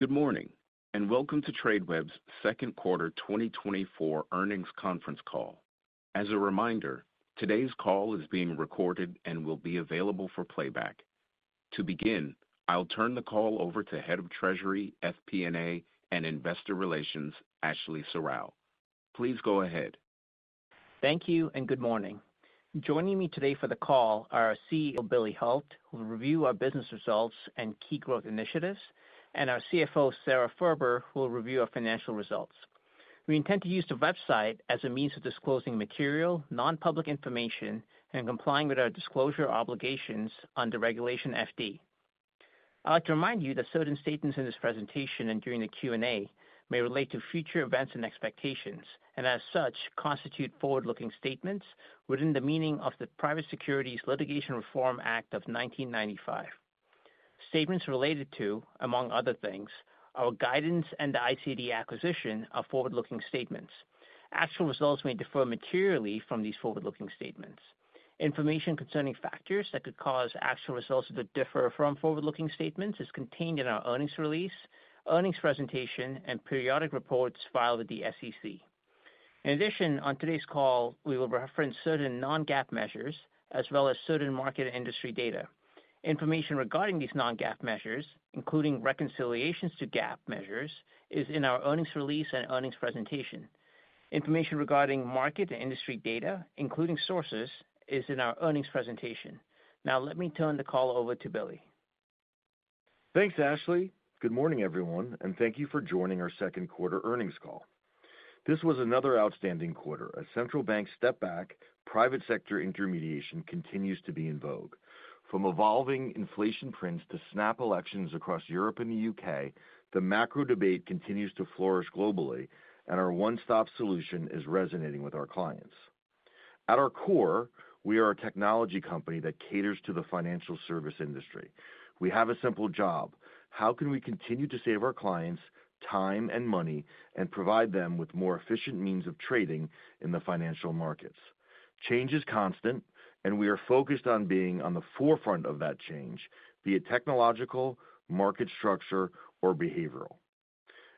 Good morning, and welcome to Tradeweb's second quarter 2024 earnings conference call. As a reminder, today's call is being recorded and will be available for playback. To begin, I'll turn the call over to Head of Treasury, FP&A, and Investor Relations, Ashley Serrao. Please go ahead. Thank you, and good morning. Joining me today for the call are our CEO, Billy Hult, who will review our business results and key growth initiatives, and our CFO, Sara Furber, who will review our financial results. We intend to use the website as a means of disclosing material, non-public information, and complying with our disclosure obligations under Regulation FD. I'd like to remind you that certain statements in this presentation and during the Q&A may relate to future events and expectations, and as such constitute forward-looking statements within the meaning of the Private Securities Litigation Reform Act of 1995. Statements related to, among other things, our guidance and the ICD acquisition are forward-looking statements. Actual results may differ materially from these forward-looking statements. Information concerning factors that could cause actual results to differ from forward-looking statements is contained in our earnings release, earnings presentation, and periodic reports filed with the SEC. In addition, on today's call, we will reference certain non-GAAP measures as well as certain market and industry data. Information regarding these non-GAAP measures, including reconciliations to GAAP measures, is in our earnings release and earnings presentation. Information regarding market and industry data, including sources, is in our earnings presentation. Now, let me turn the call over to Billy. Thanks, Ashley. Good morning, everyone, and thank you for joining our second quarter earnings call. This was another outstanding quarter. A central bank step back, private sector intermediation continues to be in vogue. From evolving inflation prints to snap elections across Europe and the UK, the macro debate continues to flourish globally, and our one-stop solution is resonating with our clients. At our core, we are a technology company that caters to the financial service industry. We have a simple job: how can we continue to save our clients time and money and provide them with more efficient means of trading in the financial markets? Change is constant, and we are focused on being on the forefront of that change, be it technological, market structure, or behavioral.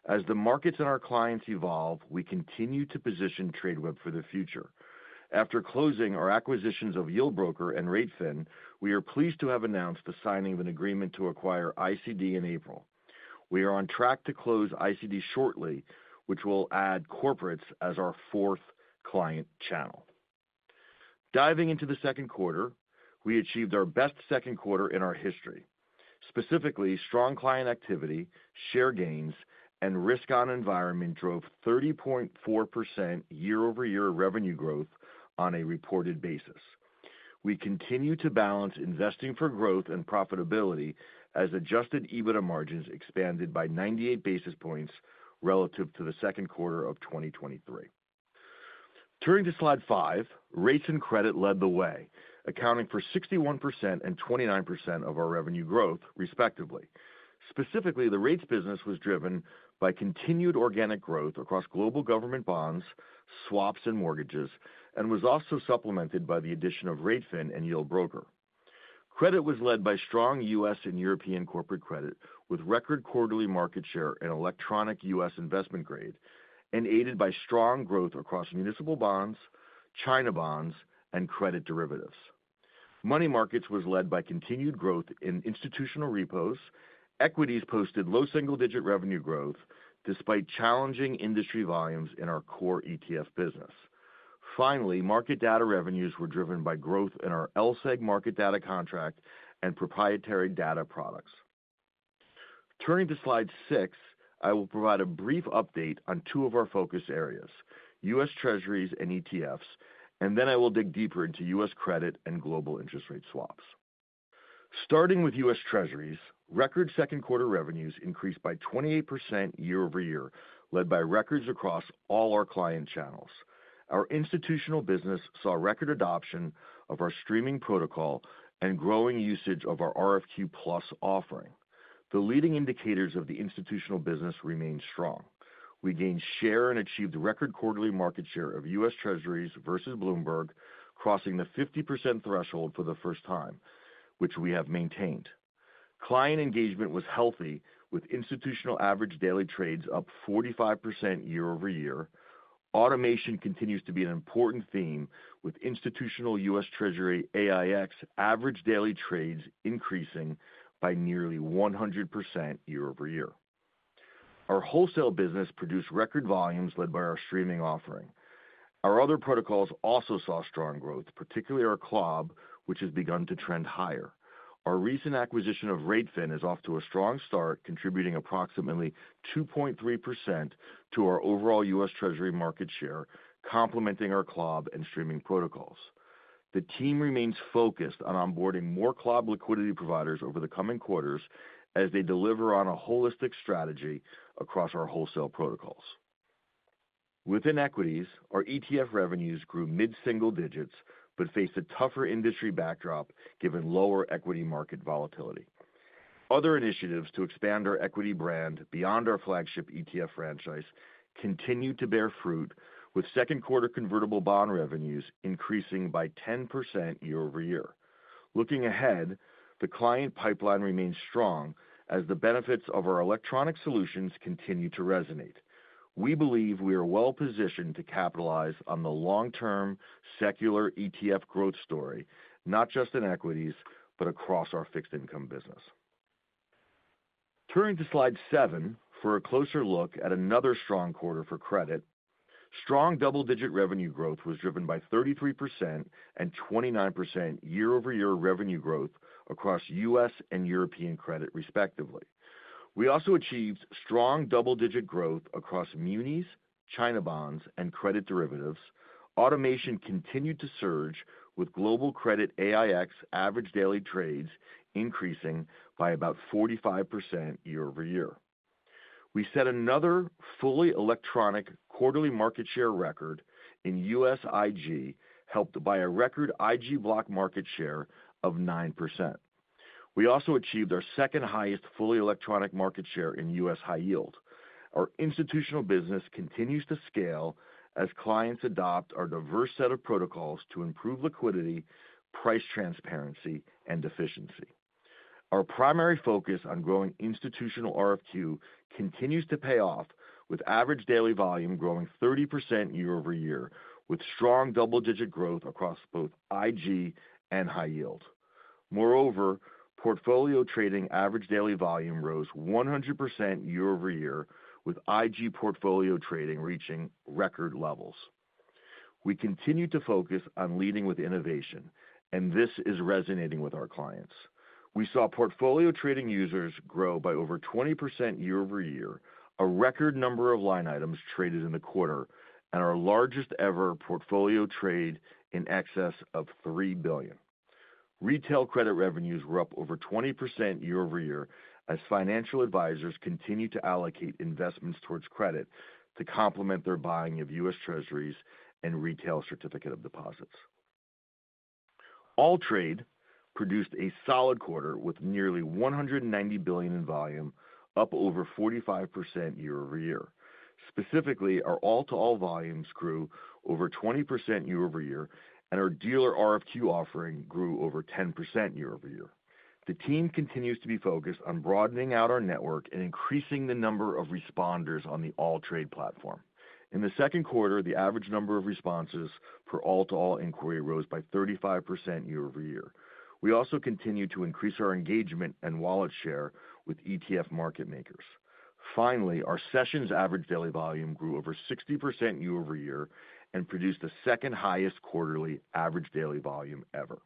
As the markets and our clients evolve, we continue to position Tradeweb for the future. After closing our acquisitions of Yieldbroker and r8fin, we are pleased to have announced the signing of an agreement to acquire ICD in April. We are on track to close ICD shortly, which will add corporates as our fourth client channel. Diving into the second quarter, we achieved our best second quarter in our history. Specifically, strong client activity, share gains, and risk-on environment drove 30.4% year-over-year revenue growth on a reported basis. We continue to balance investing for growth and profitability as adjusted EBITDA margins expanded by 98 basis points relative to the second quarter of 2023. Turning to slide five, rates and credit led the way, accounting for 61% and 29% of our revenue growth, respectively. Specifically, the rates business was driven by continued organic growth across global government bonds, swaps, and mortgages, and was also supplemented by the addition of r8fin and Yieldbroker. Credit was led by strong U.S. and European corporate credit with record quarterly market share and electronic U.S. investment grade, and aided by strong growth across municipal bonds, China bonds, and credit derivatives. Money markets were led by continued growth in institutional repos. Equities posted low single-digit revenue growth despite challenging industry volumes in our core ETF business. Finally, market data revenues were driven by growth in our LSEG market data contract and proprietary data products. Turning to slide six, I will provide a brief update on two of our focus areas: U.S. Treasuries and ETFs, and then I will dig deeper into U.S. credit and global interest rate swaps. Starting with U.S. Treasuries, record second quarter revenues increased by 28% year-over-year, led by records across all our client channels. Our institutional business saw record adoption of our streaming protocol and growing usage of our RFQ Plus offering. The leading indicators of the institutional business remained strong. We gained share and achieved record quarterly market share of U.S. Treasuries versus Bloomberg, crossing the 50% threshold for the first time, which we have maintained. Client engagement was healthy, with institutional average daily trades up 45% year-over-year. Automation continues to be an important theme, with institutional U.S. Treasury AiEX average daily trades increasing by nearly 100% year-over-year. Our wholesale business produced record volumes led by our streaming offering. Our other protocols also saw strong growth, particularly our CLOB, which has begun to trend higher. Our recent acquisition of r8fin is off to a strong start, contributing approximately 2.3% to our overall U.S. Treasury market share, complementing our CLOB and streaming protocols. The team remains focused on onboarding more CLOB liquidity providers over the coming quarters as they deliver on a holistic strategy across our wholesale protocols. Within equities, our ETF revenues grew mid-single digits but faced a tougher industry backdrop given lower equity market volatility. Other initiatives to expand our equity brand beyond our flagship ETF franchise continued to bear fruit, with second quarter convertible bond revenues increasing by 10% year-over-year. Looking ahead, the client pipeline remains strong as the benefits of our electronic solutions continue to resonate. We believe we are well positioned to capitalize on the long-term secular ETF growth story, not just in equities but across our fixed income business. Turning to slide seven for a closer look at another strong quarter for credit, strong double-digit revenue growth was driven by 33% and 29% year-over-year revenue growth across U.S. and European credit, respectively. We also achieved strong double-digit growth across munis, China bonds, and credit derivatives. Automation continued to surge, with global credit AiEX average daily trades increasing by about 45% year-over-year. We set another fully electronic quarterly market share record in U.S. IG, helped by a record IG block market share of 9%. We also achieved our second-highest fully electronic market share in U.S. high-yield. Our institutional business continues to scale as clients adopt our diverse set of protocols to improve liquidity, price transparency, and efficiency. Our primary focus on growing institutional RFQ continues to pay off, with average daily volume growing 30% year-over-year, with strong double-digit growth across both IG and high-yield. Moreover, portfolio trading average daily volume rose 100% year-over-year, with IG portfolio trading reaching record levels. We continue to focus on leading with innovation, and this is resonating with our clients. We saw portfolio trading users grow by over 20% year-over-year, a record number of line items traded in the quarter, and our largest ever portfolio trade in excess of $3 billion. Retail credit revenues were up over 20% year-over-year as financial advisors continued to allocate investments towards credit to complement their buying of U.S. Treasuries and retail certificate of deposits. AllTrade produced a solid quarter with nearly $190 billion in volume, up over 45% year-over-year. Specifically, our all-to-all volumes grew over 20% year-over-year, and our dealer RFQ offering grew over 10% year-over-year. The team continues to be focused on broadening out our network and increasing the number of responders on the AllTrade platform. In the second quarter, the average number of responses per all-to-all inquiry rose by 35% year-over-year. We also continue to increase our engagement and wallet share with ETF market makers. Finally, our Sessions average daily volume grew over 60% year-over-year and produced the second-highest quarterly average daily volume ever.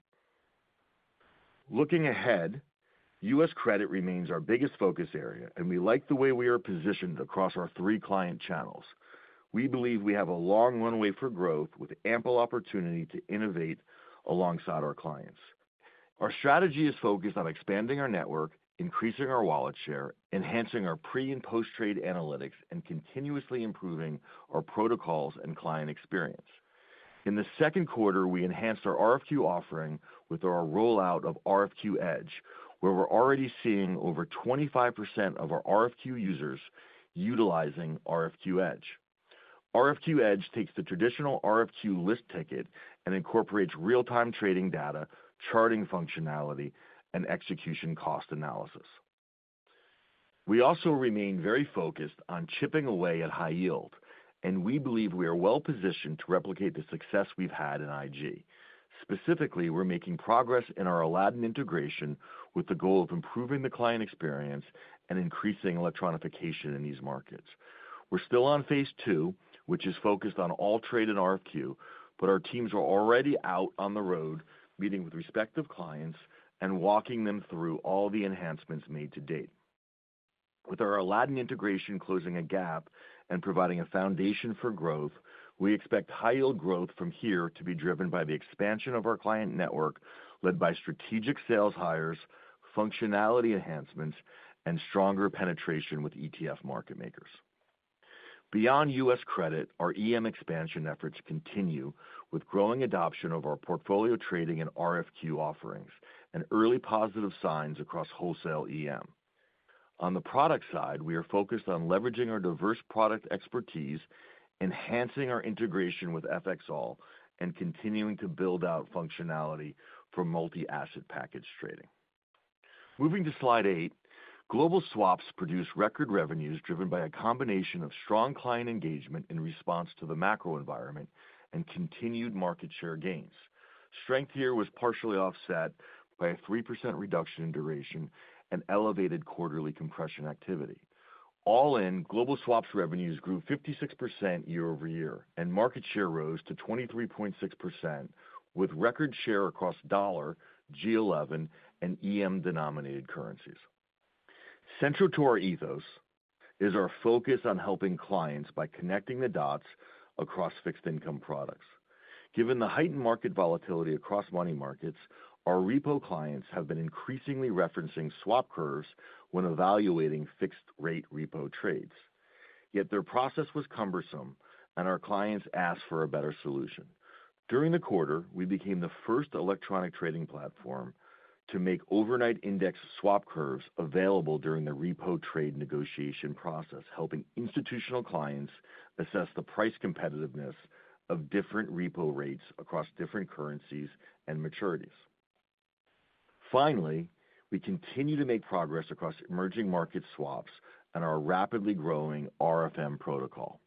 Looking ahead, U.S. Credit remains our biggest focus area, and we like the way we are positioned across our three client channels. We believe we have a long runway for growth with ample opportunity to innovate alongside our clients. Our strategy is focused on expanding our network, increasing our wallet share, enhancing our pre- and post-trade analytics, and continuously improving our protocols and client experience. In the second quarter, we enhanced our RFQ offering with our rollout of RFQ Edge, where we're already seeing over 25% of our RFQ users utilizing RFQ Edge. RFQ Edge takes the traditional RFQ list ticket and incorporates real-time trading data, charting functionality, and execution cost analysis. We also remain very focused on chipping away at high-yield, and we believe we are well-positioned to replicate the success we've had in IG. Specifically, we're making progress in our Aladdin integration with the goal of improving the client experience and increasing electronification in these markets. We're still on phase two, which is focused on AllTrade and RFQ, but our teams are already out on the road meeting with respective clients and walking them through all the enhancements made to date. With our Aladdin integration closing a gap and providing a foundation for growth, we expect high-yield growth from here to be driven by the expansion of our client network led by strategic sales hires, functionality enhancements, and stronger penetration with ETF market makers. Beyond U.S. credit, our EM expansion efforts continue with growing adoption of our portfolio trading and RFQ offerings and early positive signs across wholesale EM. On the product side, we are focused on leveraging our diverse product expertise, enhancing our integration with FXall, and continuing to build out functionality for multi-asset package trading. Moving to slide eight, global swaps produce record revenues driven by a combination of strong client engagement in response to the macro environment and continued market share gains. Strength here was partially offset by a 3% reduction in duration and elevated quarterly compression activity. All in, global swaps revenues grew 56% year-over-year, and market share rose to 23.6% with record share across dollar, G-11, and EM-denominated currencies. Central to our ethos is our focus on helping clients by connecting the dots across fixed-income products. Given the heightened market volatility across money markets, our repo clients have been increasingly referencing swap curves when evaluating fixed-rate repo trades. Yet their process was cumbersome, and our clients asked for a better solution. During the quarter, we became the first electronic trading platform to make overnight index swap curves available during the repo trade negotiation process, helping institutional clients assess the price competitiveness of different repo rates across different currencies and maturities. Finally, we continue to make progress across emerging market swaps and our rapidly growing RFM protocol.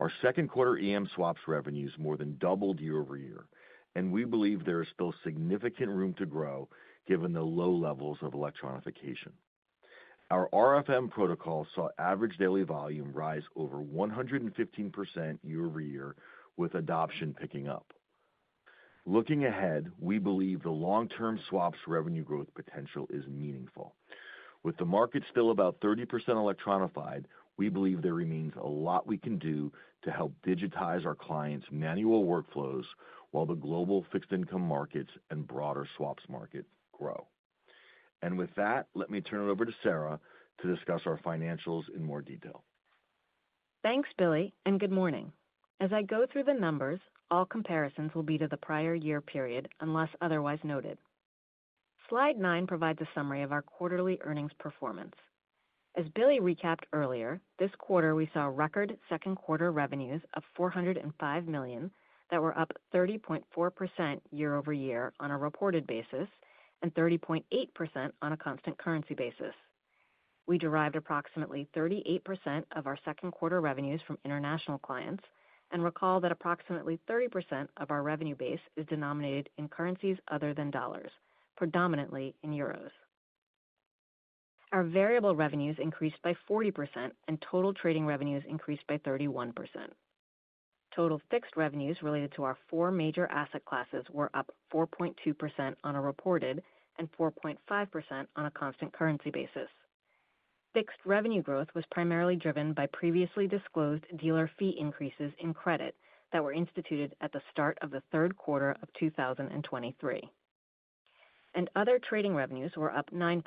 Our second quarter EM swaps revenues more than doubled year-over-year, and we believe there is still significant room to grow given the low levels of electronification. Our RFM protocol saw average daily volume rise over 115% year-over-year, with adoption picking up. Looking ahead, we believe the long-term swaps revenue growth potential is meaningful. With the market still about 30% electronified, we believe there remains a lot we can do to help digitize our clients' manual workflows while the global fixed income markets and broader swaps market grow. With that, let me turn it over to Sara to discuss our financials in more detail. Thanks, Billy, and good morning. As I go through the numbers, all comparisons will be to the prior year period unless otherwise noted. Slide nine provides a summary of our quarterly earnings performance. As Billy recapped earlier, this quarter we saw record second quarter revenues of $405 million that were up 30.4% year-over-year on a reported basis and 30.8% on a constant currency basis. We derived approximately 38% of our second quarter revenues from international clients and recall that approximately 30% of our revenue base is denominated in currencies other than dollars, predominantly in euros. Our variable revenues increased by 40% and total trading revenues increased by 31%. Total fixed revenues related to our four major asset classes were up 4.2% on a reported and 4.5% on a constant currency basis. Fixed revenue growth was primarily driven by previously disclosed dealer fee increases in credit that were instituted at the start of the third quarter of 2023. Other trading revenues were up 9%.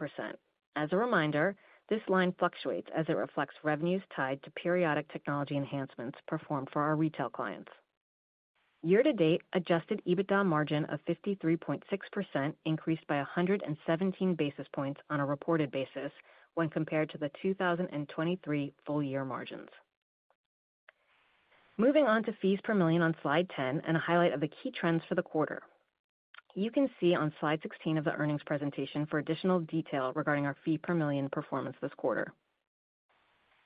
As a reminder, this line fluctuates as it reflects revenues tied to periodic technology enhancements performed for our retail clients. Year-to-date, Adjusted EBITDA margin of 53.6% increased by 117 basis points on a reported basis when compared to the 2023 full year margins. Moving on to fees per million on slide 10 and a highlight of the key trends for the quarter. You can see on slide 16 of the earnings presentation for additional detail regarding our fee per million performance this quarter.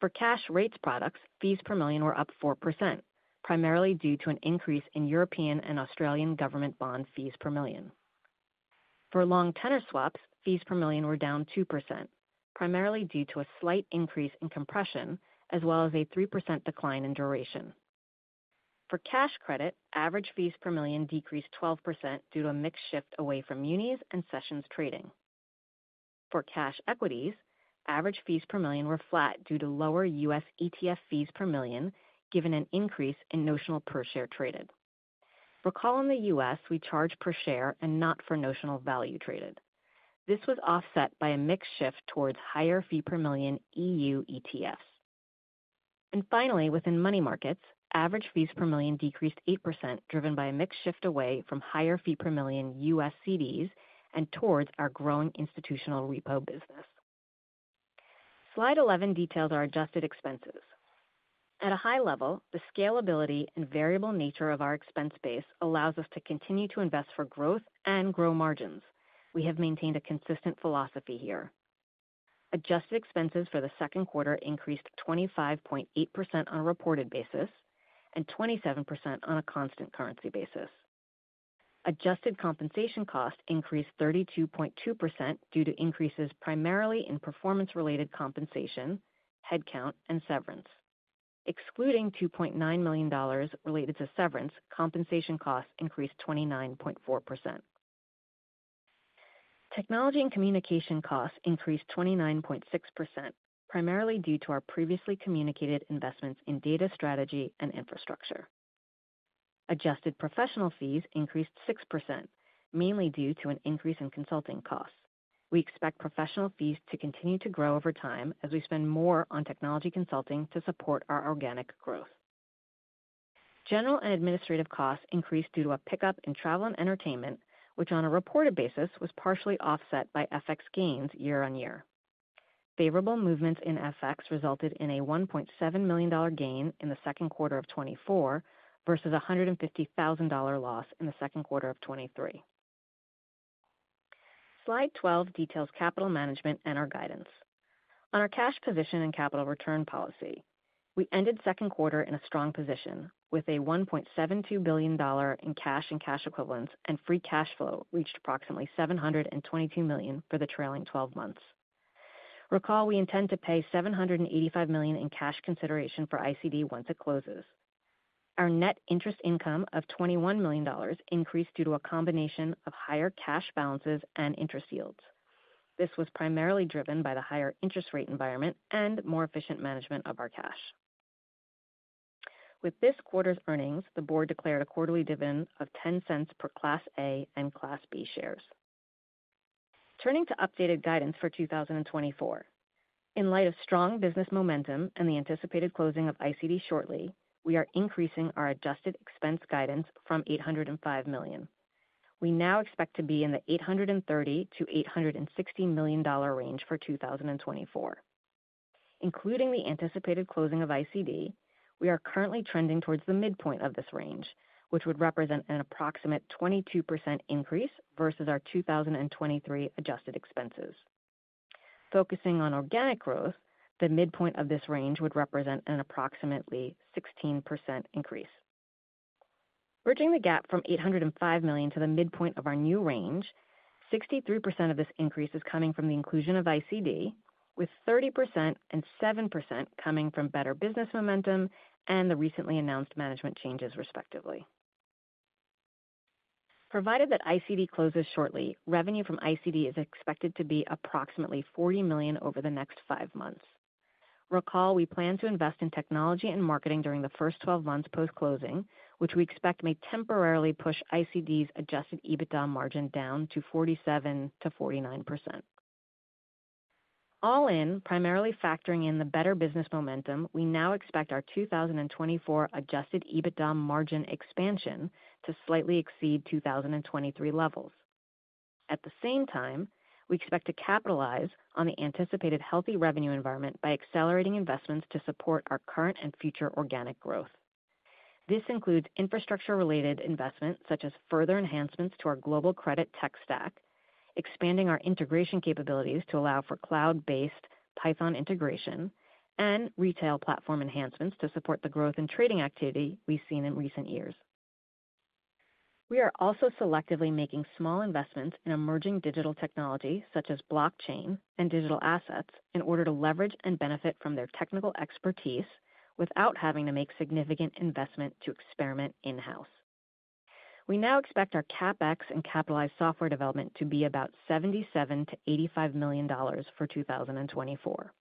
For cash rates products, fees per million were up 4%, primarily due to an increase in European and Australian government bond fees per million. For long tenor swaps, fees per million were down 2%, primarily due to a slight increase in compression as well as a 3% decline in duration. For cash credit, average fees per million decreased 12% due to a mixed shift away from munis and sessions trading. For cash equities, average fees per million were flat due to lower U.S. ETF fees per million, given an increase in notional per share traded. Recall in the U.S., we charge per share and not for notional value traded. This was offset by a mixed shift towards higher fee per million EU ETFs. Finally, within money markets, average fees per million decreased 8%, driven by a mixed shift away from higher fee per million U.S. CDs and towards our growing institutional repo business. Slide 11 details our adjusted expenses. At a high level, the scalability and variable nature of our expense base allows us to continue to invest for growth and grow margins. We have maintained a consistent philosophy here. Adjusted expenses for the second quarter increased 25.8% on a reported basis and 27% on a constant currency basis. Adjusted compensation costs increased 32.2% due to increases primarily in performance-related compensation, headcount, and severance. Excluding $2.9 million related to severance, compensation costs increased 29.4%. Technology and communication costs increased 29.6%, primarily due to our previously communicated investments in data strategy and infrastructure. Adjusted professional fees increased 6%, mainly due to an increase in consulting costs. We expect professional fees to continue to grow over time as we spend more on technology consulting to support our organic growth. General and administrative costs increased due to a pickup in travel and entertainment, which on a reported basis was partially offset by FX gains year-on-year. Favorable movements in FX resulted in a $1.7 million gain in the second quarter of 2024 versus a $150,000 loss in the second quarter of 2023. Slide 12 details capital management and our guidance. On our cash position and capital return policy, we ended the second quarter in a strong position with a $1.72 billion in cash and cash equivalents, and free cash flow reached approximately $722 million for the trailing 12 months. Recall we intend to pay $785 million in cash consideration for ICD once it closes. Our net interest income of $21 million increased due to a combination of higher cash balances and interest yields. This was primarily driven by the higher interest rate environment and more efficient management of our cash. With this quarter's earnings, the board declared a quarterly dividend of $0.10 per Class A and Class B shares. Turning to updated guidance for 2024. In light of strong business momentum and the anticipated closing of ICD shortly, we are increasing our adjusted expense guidance from $805 million. We now expect to be in the $830 million-$860 million range for 2024. Including the anticipated closing of ICD, we are currently trending towards the midpoint of this range, which would represent an approximate 22% increase versus our 2023 adjusted expenses. Focusing on organic growth, the midpoint of this range would represent an approximately 16% increase. Bridging the gap from $805 million to the midpoint of our new range, 63% of this increase is coming from the inclusion of ICD, with 30% and 7% coming from better business momentum and the recently announced management changes, respectively. Provided that ICD closes shortly, revenue from ICD is expected to be approximately $40 million over the next five months. Recall we plan to invest in technology and marketing during the first 12 months post-closing, which we expect may temporarily push ICD's Adjusted EBITDA margin down to 47%-49%. All in, primarily factoring in the better business momentum, we now expect our 2024 Adjusted EBITDA margin expansion to slightly exceed 2023 levels. At the same time, we expect to capitalize on the anticipated healthy revenue environment by accelerating investments to support our current and future organic growth. This includes infrastructure-related investments such as further enhancements to our global credit tech stack, expanding our integration capabilities to allow for cloud-based Python integration, and retail platform enhancements to support the growth in trading activity we've seen in recent years. We are also selectively making small investments in emerging digital technology such as blockchain and digital assets in order to leverage and benefit from their technical expertise without having to make significant investment to experiment in-house. We now expect our CapEx and capitalized software development to be about $77 million-$85 million for 2024.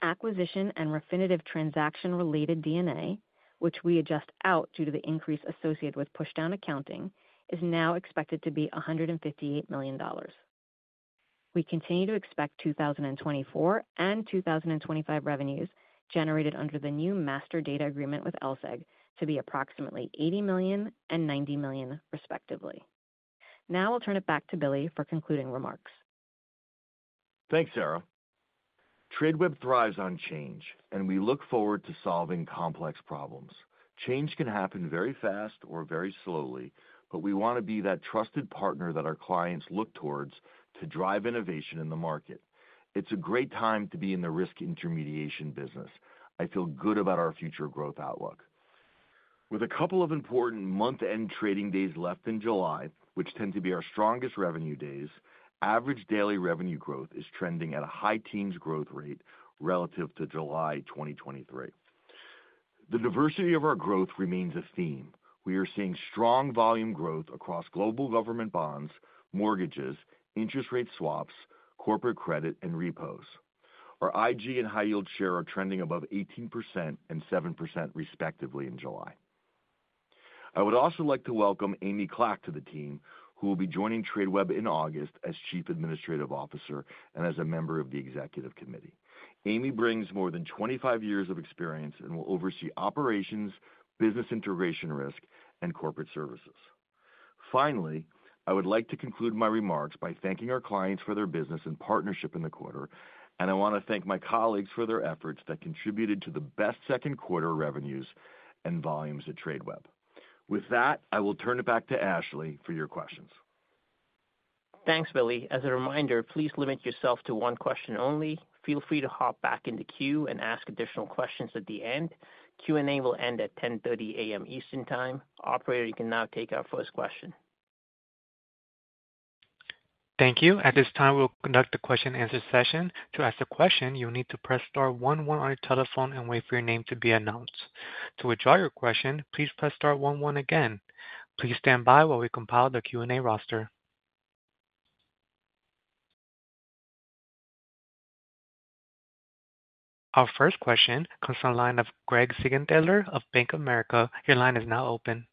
Acquisition and Refinitiv transaction-related D&A, which we adjust out due to the increase associated with pushdown accounting, is now expected to be $158 million. We continue to expect 2024 and 2025 revenues generated under the new master data agreement with LSEG to be approximately $80 million and $90 million, respectively. Now I'll turn it back to Billy for concluding remarks. Thanks, Sara. Tradeweb thrives on change, and we look forward to solving complex problems. Change can happen very fast or very slowly, but we want to be that trusted partner that our clients look towards to drive innovation in the market. It's a great time to be in the risk intermediation business. I feel good about our future growth outlook. With a couple of important month-end trading days left in July, which tend to be our strongest revenue days, average daily revenue growth is trending at a high teens growth rate relative to July 2023. The diversity of our growth remains a theme. We are seeing strong volume growth across global government bonds, mortgages, interest rate swaps, corporate credit, and repos. Our IG and high-yield share are trending above 18% and 7%, respectively, in July. I would also like to welcome Amy Clark to the team, who will be joining Tradeweb in August as Chief Administrative Officer and as a member of the Executive Committee. Amy brings more than 25 years of experience and will oversee operations, business integration risk, and corporate services. Finally, I would like to conclude my remarks by thanking our clients for their business and partnership in the quarter, and I want to thank my colleagues for their efforts that contributed to the best second quarter revenues and volumes at Tradeweb. With that, I will turn it back to Ashley for your questions. Thanks, Billy. As a reminder, please limit yourself to one question only. Feel free to hop back in the queue and ask additional questions at the end. Q&A will end at 10:30 A.M. Eastern Time. Operator, you can now take our first question. Thank you. At this time, we'll conduct a question-and-answer session. To ask a question, you'll need to press star one one on your telephone and wait for your name to be announced. To withdraw your question, please press star one one again. Please stand by while we compile the Q&A roster. Our first question comes from the line of Craig Siegenthaler of Bank of America. Your line is now open.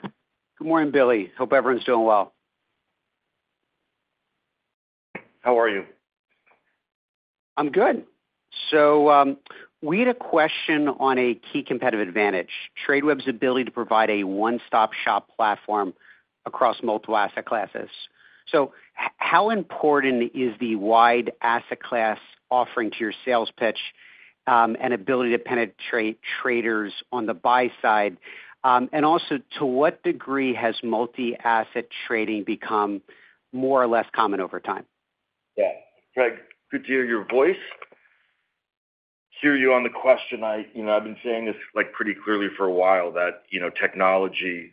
Good morning, Billy. Hope everyone's doing well. How are you? I'm good. We had a question on a key competitive advantage: Tradeweb's ability to provide a one-stop-shop platform across multiple asset classes. How important is the wide asset class offering to your sales pitch and ability to penetrate traders on the buy side? And also, to what degree has multi-asset trading become more or less common over time? Yeah. Craig, good to hear your voice. Hear you on the question. I've been saying this pretty clearly for a while that technology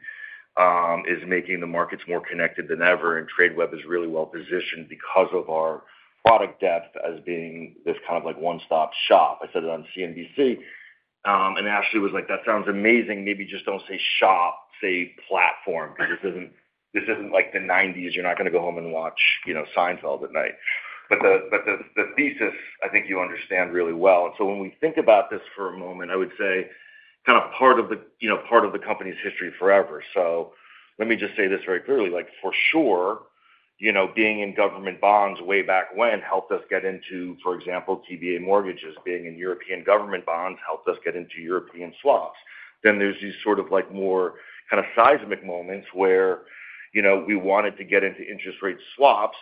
is making the markets more connected than ever, and Tradeweb is really well positioned because of our product depth as being this kind of one-stop shop. I said it on CNBC, and Ashley was like, "That sounds amazing. Maybe just don't say shop, say platform, because this isn't like the '90s. You're not going to go home and watch Seinfeld at night." But the thesis, I think you understand really well. And so when we think about this for a moment, I would say kind of part of the company's history forever. So let me just say this very clearly. For sure, being in government bonds way back when helped us get into, for example, TBA mortgages. Being in European government bonds helped us get into European swaps. Then there's these sort of more kind of seismic moments where we wanted to get into interest rate swaps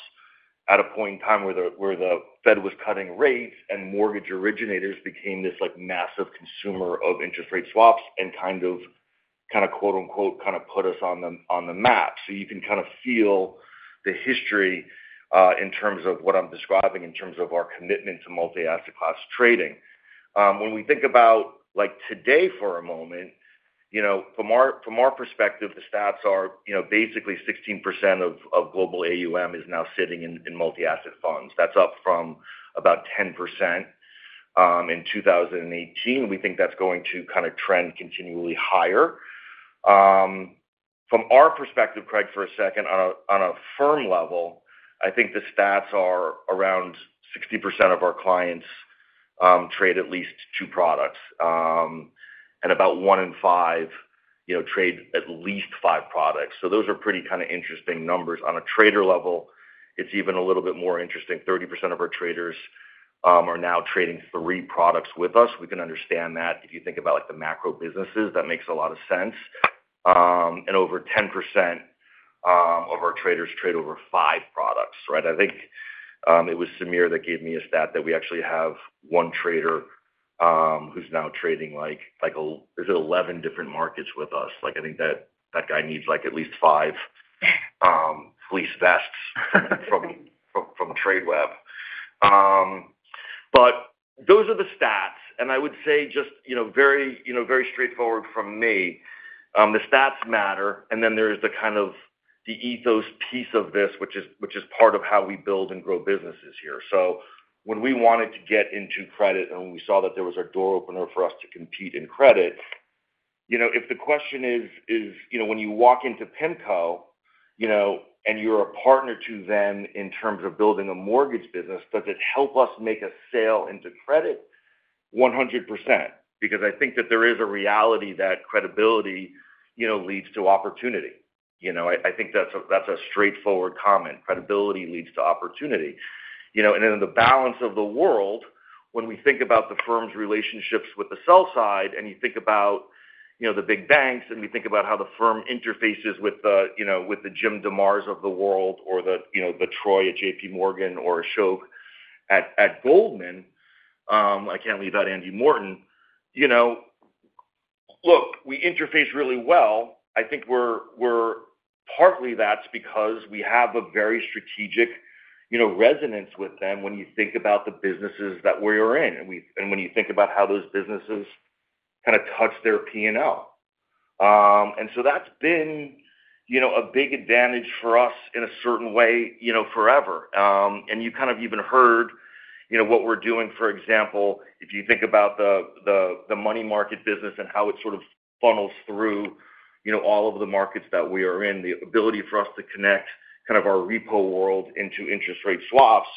at a point in time where the Fed was cutting rates and mortgage originators became this massive consumer of interest rate swaps and kind of, kind of put us on the map. So you can kind of feel the history in terms of what I'm describing in terms of our commitment to multi-asset class trading. When we think about today for a moment, from our perspective, the stats are basically 16% of global AUM is now sitting in multi-asset funds. That's up from about 10% in 2018. We think that's going to kind of trend continually higher. From our perspective, Craig, for a second, on a firm level, I think the stats are around 60% of our clients trade at least two products, and about one in five, trade at least five products. Those are pretty kind of interesting numbers. On a trader level, it's even a little bit more interesting. 30% of our traders are now trading three products with us. We can understand that. If you think about the macro businesses, that makes a lot of sense. Over 10% of our traders trade over five products. I think it was Samir that gave me a stat that we actually have one trader who's now trading like 11 different markets with us. I think that guy needs at least five fleece vests from Tradeweb. Those are the stats. I would say just very straightforward from me, the stats matter. And then there is the kind of the ethos piece of this, which is part of how we build and grow businesses here. So when we wanted to get into credit and when we saw that there was a door opener for us to compete in credit, if the question is, when you walk into PIMCO and you're a partner to them in terms of building a mortgage business, does it help us make a sale into credit? 100%. Because I think that there is a reality that credibility leads to opportunity. I think that's a straightforward comment. Credibility leads to opportunity. And then the balance of the world, when we think about the firm's relationships with the sell side and you think about the big banks and we think about how the firm interfaces with the Jim DeMare of the world or the Troy at JPMorgan or Ashok at Goldman, I can't leave out Andy Morton. Look, we interface really well. I think we're partly that's because we have a very strategic resonance with them when you think about the businesses that we're in and when you think about how those businesses kind of touch their P&L. And so that's been a big advantage for us in a certain way forever. And you kind of even heard what we're doing, for example, if you think about the money market business and how it sort of funnels through all of the markets that we are in, the ability for us to connect kind of our repo world into interest rate swaps,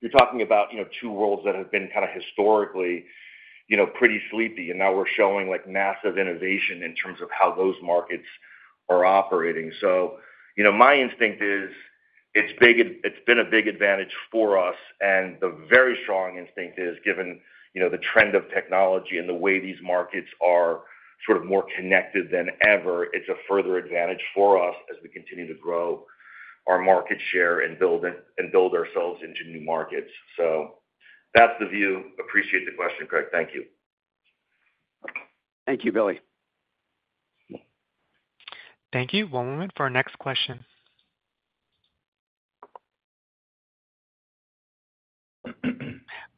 you're talking about two worlds that have been kind of historically pretty sleepy, and now we're showing massive innovation in terms of how those markets are operating. So my instinct is it's been a big advantage for us. And the very strong instinct is, given the trend of technology and the way these markets are sort of more connected than ever, it's a further advantage for us as we continue to grow our market share and build ourselves into new markets. So that's the view. Appreciate the question, Craig. Thank you. Thank you, Billy. Thank you. One moment for our next question.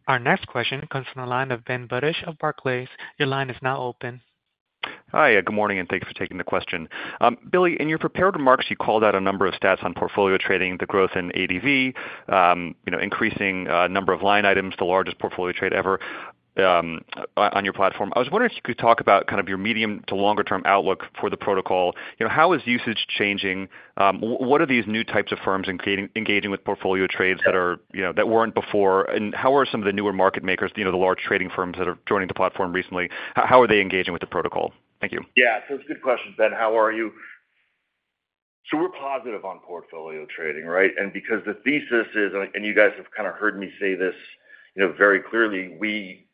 Our next question comes from the line of Ben Budish of Barclays. Your line is now open. Hi. Good morning and thanks for taking the question. Billy, in your prepared remarks, you called out a number of stats on portfolio trading, the growth in ADV, increasing number of line items, the largest portfolio trade ever on your platform. I was wondering if you could talk about kind of your medium to longer-term outlook for the protocol. How is usage changing? What are these new types of firms engaging with portfolio trades that weren't before? And how are some of the newer market makers, the large trading firms that are joining the platform recently, how are they engaging with the protocol? Thank you. Yeah. So it's a good question, Ben. How are you? So we're positive on portfolio trading, right? And because the thesis is, and you guys have kind of heard me say this very clearly, we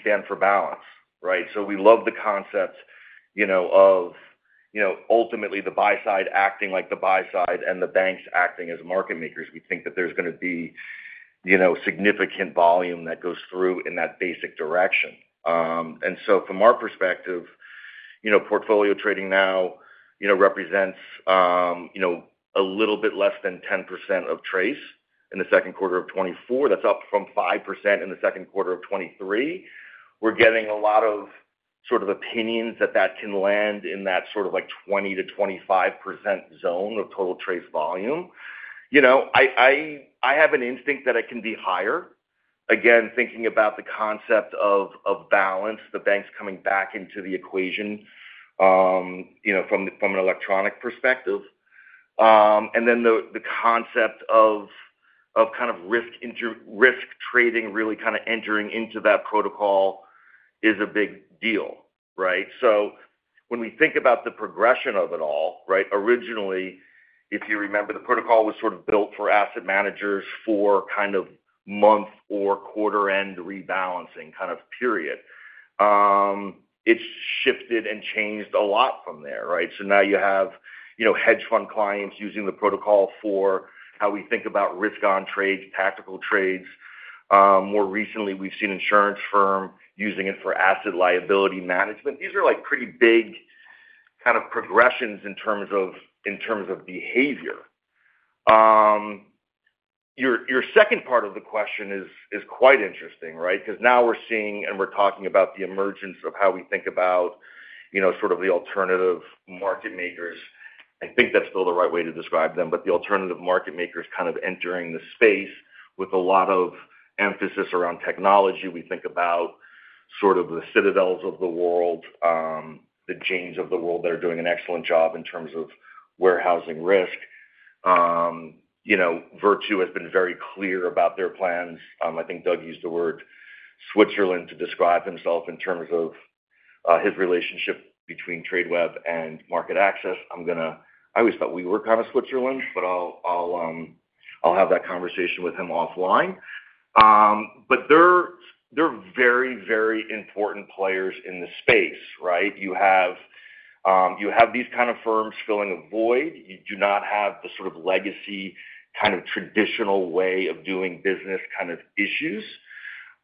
stand for balance, right? So we love the concept of ultimately the buy side acting like the buy side and the banks acting as market makers. We think that there's going to be significant volume that goes through in that basic direction. And so from our perspective, portfolio trading now represents a little bit less than 10% of TRACE in the second quarter of 2024. That's up from 5% in the second quarter of 2023. We're getting a lot of sort of opinions that that can land in that sort of 20%-25% zone of total TRACE volume. I have an instinct that it can be higher, again, thinking about the concept of balance, the banks coming back into the equation from an electronic perspective. And then the concept of kind of risk trading really kind of entering into that protocol is a big deal, right? So when we think about the progression of it all, right, originally, if you remember, the protocol was sort of built for asset managers for kind of month or quarter-end rebalancing kind of period. It's shifted and changed a lot from there, right? So now you have hedge fund clients using the protocol for how we think about risk-on trades, tactical trades. More recently, we've seen insurance firms using it for asset liability management. These are pretty big kind of progressions in terms of behavior. Your second part of the question is quite interesting, right? Because now we're seeing and we're talking about the emergence of how we think about sort of the alternative market makers. I think that's still the right way to describe them, but the alternative market makers kind of entering the space with a lot of emphasis around technology. We think about sort of the Citadels of the world, the Janes of the world that are doing an excellent job in terms of warehousing risk. Virtu has been very clear about their plans. I think Doug used the word Switzerland to describe himself in terms of his relationship between Tradeweb and MarketAxess. I always thought we were kind of Switzerland, but I'll have that conversation with him offline. But they're very, very important players in the space, right? You have these kind of firms filling a void. You do not have the sort of legacy kind of traditional way of doing business kind of issues.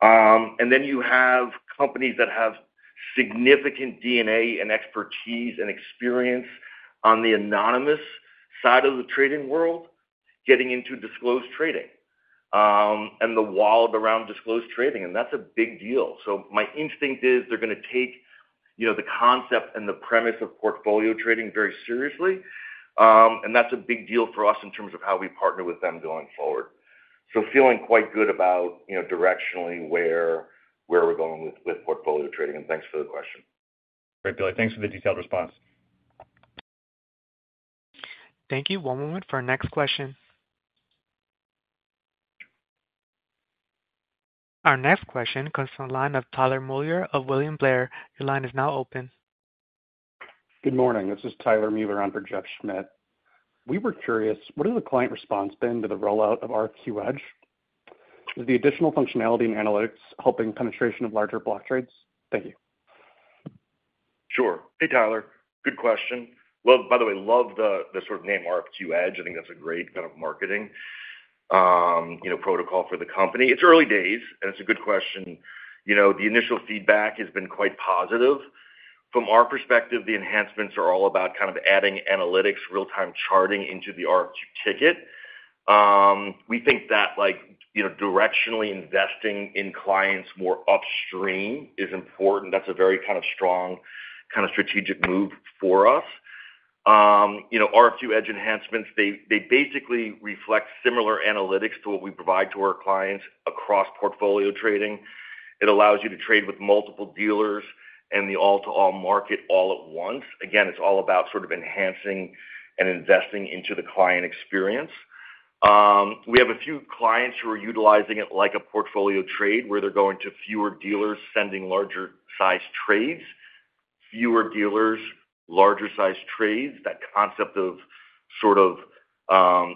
And then you have companies that have significant DNA and expertise and experience on the anonymous side of the trading world getting into disclosed trading and the world around disclosed trading. And that's a big deal. So my instinct is they're going to take the concept and the premise of portfolio trading very seriously. And that's a big deal for us in terms of how we partner with them going forward. So feeling quite good about directionally where we're going with portfolio trading. And thanks for the question. Great, Billy. Thanks for the detailed response. Thank you. One moment for our next question. Our next question comes from the line of Tyler Mueller of William Blair. Your line is now open. Good morning. This is Tyler Mueller under Jeff Schmitt. We were curious, what has the client response been to the rollout of RFQ Edge? Is the additional functionality and analytics helping penetration of larger block trades? Thank you. Sure. Hey, Tyler. Good question. By the way, love the sort of name RFQ Edge. I think that's a great kind of marketing protocol for the company. It's early days, and it's a good question. The initial feedback has been quite positive. From our perspective, the enhancements are all about kind of adding analytics, real-time charting into the RFQ ticket. We think that directionally investing in clients more upstream is important. That's a very kind of strong kind of strategic move for us. RFQ Edge enhancements, they basically reflect similar analytics to what we provide to our clients across portfolio trading. It allows you to trade with multiple dealers and the all-to-all market all at once. Again, it's all about sort of enhancing and investing into the client experience. We have a few clients who are utilizing it like a portfolio trade where they're going to fewer dealers sending larger-sized trades, fewer dealers, larger-sized trades. That concept of sort of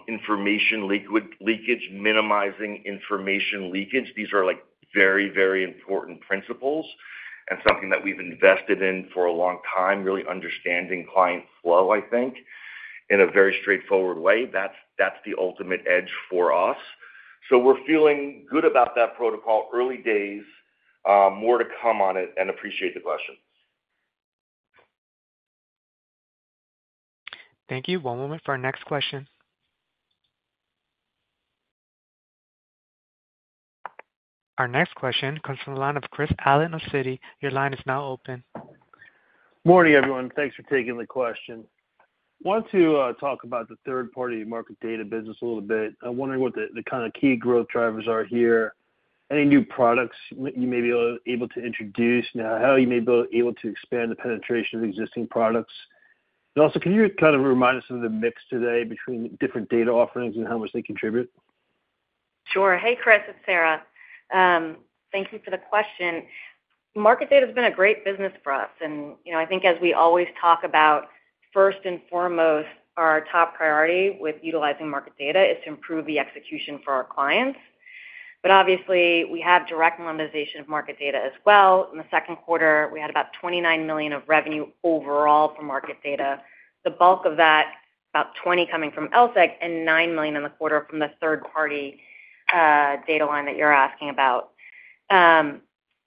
information leakage, minimizing information leakage, these are very, very important principles and something that we've invested in for a long time, really understanding client flow, I think, in a very straightforward way. That's the ultimate edge for us. So we're feeling good about that protocol. Early days, more to come on it, and appreciate the question. Thank you. One moment for our next question. Our next question comes from the line of Chris Allen of Citi. Your line is now open. Morning, everyone. Thanks for taking the question. I want to talk about the third-party market data business a little bit. I'm wondering what the kind of key growth drivers are here, any new products you may be able to introduce, how you may be able to expand the penetration of existing products. Can you kind of remind us of the mix today between different data offerings and how much they contribute? Sure. Hey, Chris, it's Sarah. Thank you for the question. Market data has been a great business for us. And I think as we always talk about, first and foremost, our top priority with utilizing market data is to improve the execution for our clients. But obviously, we have direct monetization of market data as well. In the second quarter, we had about $29 million of revenue overall from market data. The bulk of that, about $20 million coming from LSEG and $9 million in the quarter from the third-party data line that you're asking about.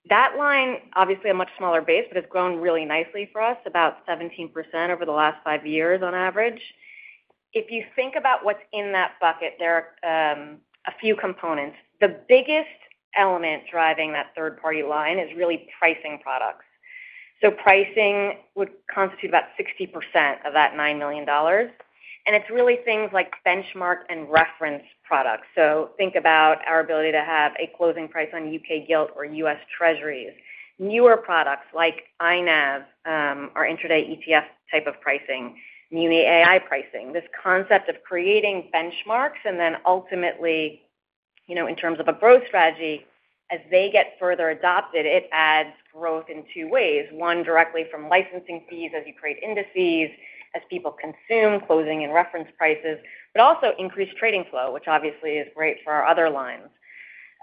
That line, obviously, a much smaller base, but it's grown really nicely for us, about 17% over the last five years on average. If you think about what's in that bucket, there are a few components. The biggest element driving that third-party line is really pricing products. Pricing would constitute about 60% of that $9 million. It's really things like benchmark and reference products. Think about our ability to have a closing price on U.K. Gilt or U.S. Treasuries. Newer products like iNAV or intraday ETF type of pricing, new AI pricing. This concept of creating benchmarks and then ultimately, in terms of a growth strategy, as they get further adopted, it adds growth in two ways. One, directly from licensing fees as you create indices, as people consume closing and reference prices, but also increased trading flow, which obviously is great for our other lines.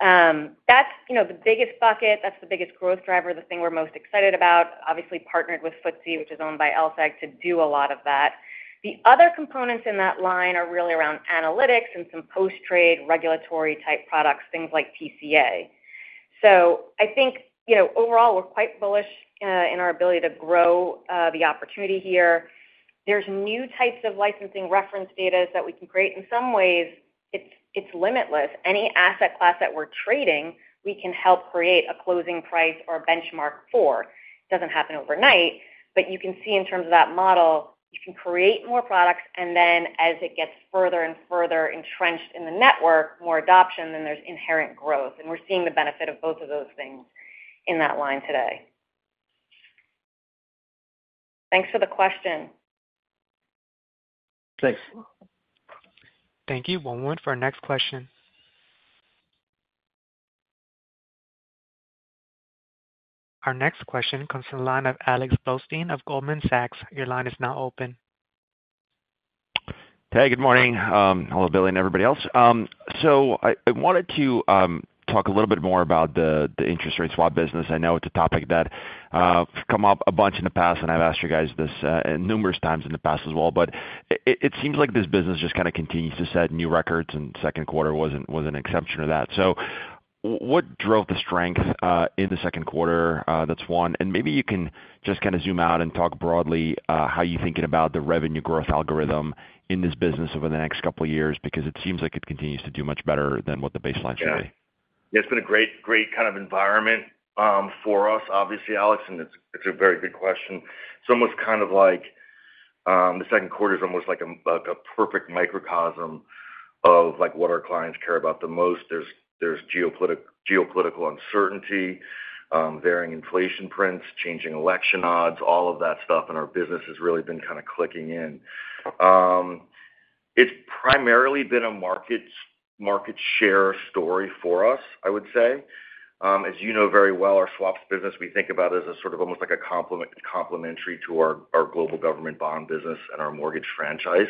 That's the biggest bucket. That's the biggest growth driver, the thing we're most excited about, obviously partnered with FTSE, which is owned by LSEG, to do a lot of that. The other components in that line are really around analytics and some post-trade regulatory type products, things like TCA. So I think overall, we're quite bullish in our ability to grow the opportunity here. There's new types of licensing reference data that we can create. In some ways, it's limitless. Any asset class that we're trading, we can help create a closing price or a benchmark for. It doesn't happen overnight, but you can see in terms of that model, you can create more products, and then as it gets further and further entrenched in the network, more adoption, then there's inherent growth. And we're seeing the benefit of both of those things in that line today. Thanks for the question. Thanks. Thank you. One moment for our next question. Our next question comes from the line of Alex Blostein of Goldman Sachs. Your line is now open. Hey, good morning. Hello, Billy and everybody else. So I wanted to talk a little bit more about the interest rate swap business. I know it's a topic that's come up a bunch in the past, and I've asked you guys this numerous times in the past as well. But it seems like this business just kind of continues to set new records, and second quarter was an exception to that. So what drove the strength in the second quarter? That's one. And maybe you can just kind of zoom out and talk broadly how you're thinking about the revenue growth algorithm in this business over the next couple of years because it seems like it continues to do much better than what the baseline should be. Yeah. Yeah. It's been a great kind of environment for us, obviously, Alex. And it's a very good question. It's almost kind of like the second quarter is almost like a perfect microcosm of what our clients care about the most. There's geopolitical uncertainty, varying inflation prints, changing election odds, all of that stuff. And our business has really been kind of clicking in. It's primarily been a market share story for us, I would say. As you know very well, our swaps business, we think about it as sort of almost like a complementary to our global government bond business and our mortgage franchise.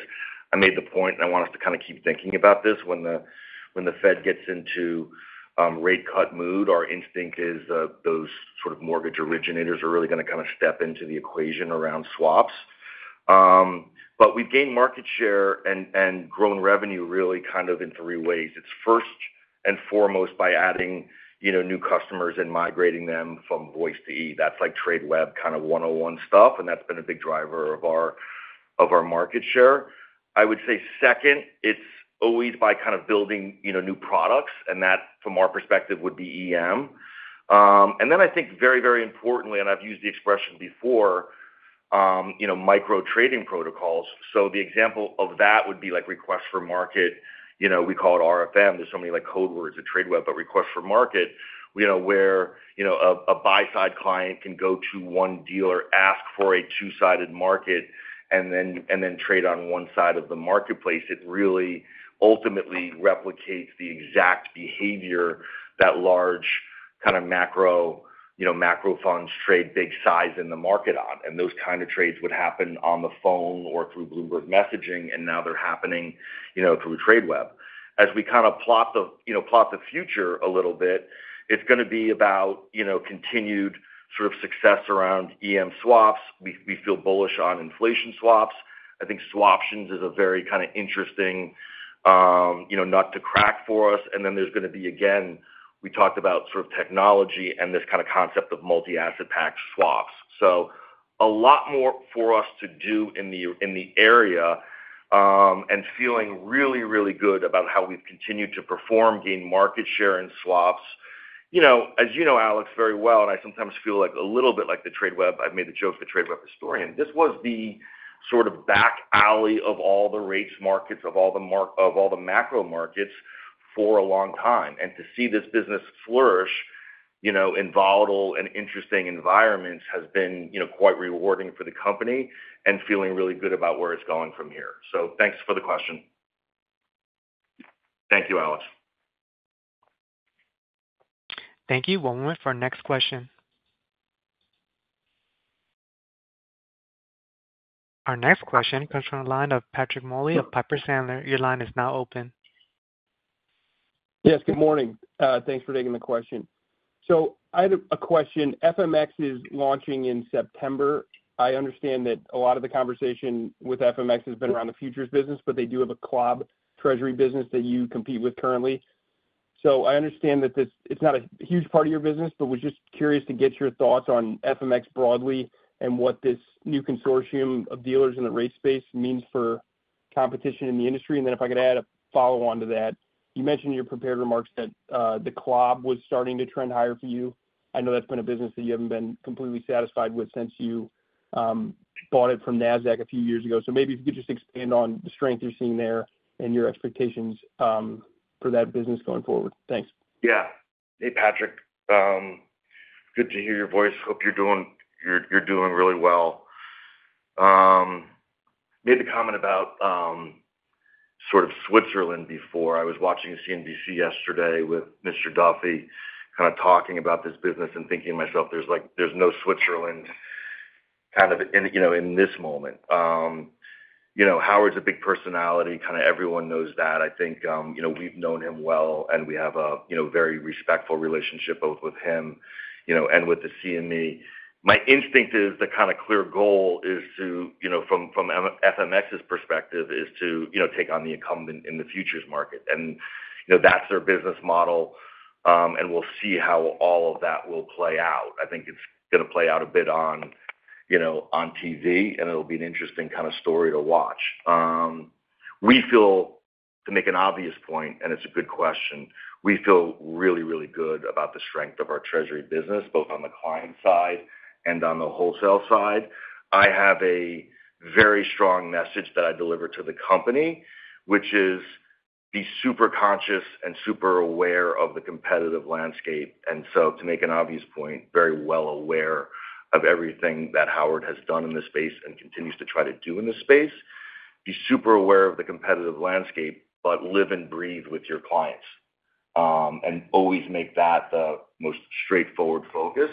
I made the point, and I want us to kind of keep thinking about this. When the Fed gets into rate-cut mood, our instinct is those sort of mortgage originators are really going to kind of step into the equation around swaps. But we've gained market share and grown revenue really kind of in three ways. It's first and foremost by adding new customers and migrating them from voice to electronic. That's like Tradeweb kind of 101 stuff, and that's been a big driver of our market share. I would say second, it's always by kind of building new products, and that, from our perspective, would be EM. And then I think very, very importantly, and I've used the expression before, micro trading protocols. So the example of that would be like request for market. We call it RFM. There's so many code words at Tradeweb, but request for market, where a buy-side client can go to one dealer, ask for a two-sided market, and then trade on one side of the marketplace. It really ultimately replicates the exact behavior that large kind of macro funds trade big size in the market on. And those kind of trades would happen on the phone or through Bloomberg Messaging, and now they're happening through Tradeweb. As we kind of plot the future a little bit, it's going to be about continued sort of success around EM swaps. We feel bullish on inflation swaps. I think swaptions is a very kind of interesting nut to crack for us. And then there's going to be, again, we talked about sort of technology and this kind of concept of multi-asset pack swaps. So a lot more for us to do in the area and feeling really, really good about how we've continued to perform, gain market share in swaps. As you know, Alex, very well, and I sometimes feel a little bit like the Tradeweb. I've made the joke of the Tradeweb historian. This was the sort of back alley of all the rates markets, of all the macro markets for a long time. To see this business flourish in volatile and interesting environments has been quite rewarding for the company and feeling really good about where it's going from here. So thanks for the question. Thank you, Alex. Thank you. One moment for our next question. Our next question comes from the line of Patrick Moley of Piper Sandler. Your line is now open. Yes, good morning. Thanks for taking the question. So I had a question. FMX is launching in September. I understand that a lot of the conversation with FMX has been around the futures business, but they do have a CLOB Treasury business that you compete with currently. So I understand that it's not a huge part of your business, but was just curious to get your thoughts on FMX broadly and what this new consortium of dealers in the rate space means for competition in the industry. And then if I could add a follow-on to that, you mentioned in your prepared remarks that the CLOB was starting to trend higher for you. I know that's been a business that you haven't been completely satisfied with since you bought it from Nasdaq a few years ago. So maybe if you could just expand on the strength you're seeing there and your expectations for that business going forward. Thanks. Yeah. Hey, Patrick. Good to hear your voice. Hope you're doing really well. Made the comment about sort of Switzerland before. I was watching CNBC yesterday with Mr. Duffy, kind of talking about this business and thinking to myself, there's no Switzerland kind of in this moment. Howard's a big personality. Kind of everyone knows that. I think we've known him well, and we have a very respectful relationship both with him and with the CME. My instinct is the kind of clear goal is to, from FMX's perspective, is to take on the incumbent in the futures market. And that's their business model, and we'll see how all of that will play out. I think it's going to play out a bit on TV, and it'll be an interesting kind of story to watch. We feel, to make an obvious point, and it's a good question, we feel really, really good about the strength of our treasury business, both on the client side and on the wholesale side. I have a very strong message that I deliver to the company, which is be super conscious and super aware of the competitive landscape. And so to make an obvious point, very well aware of everything that Howard has done in this space and continues to try to do in this space, be super aware of the competitive landscape, but live and breathe with your clients and always make that the most straightforward focus.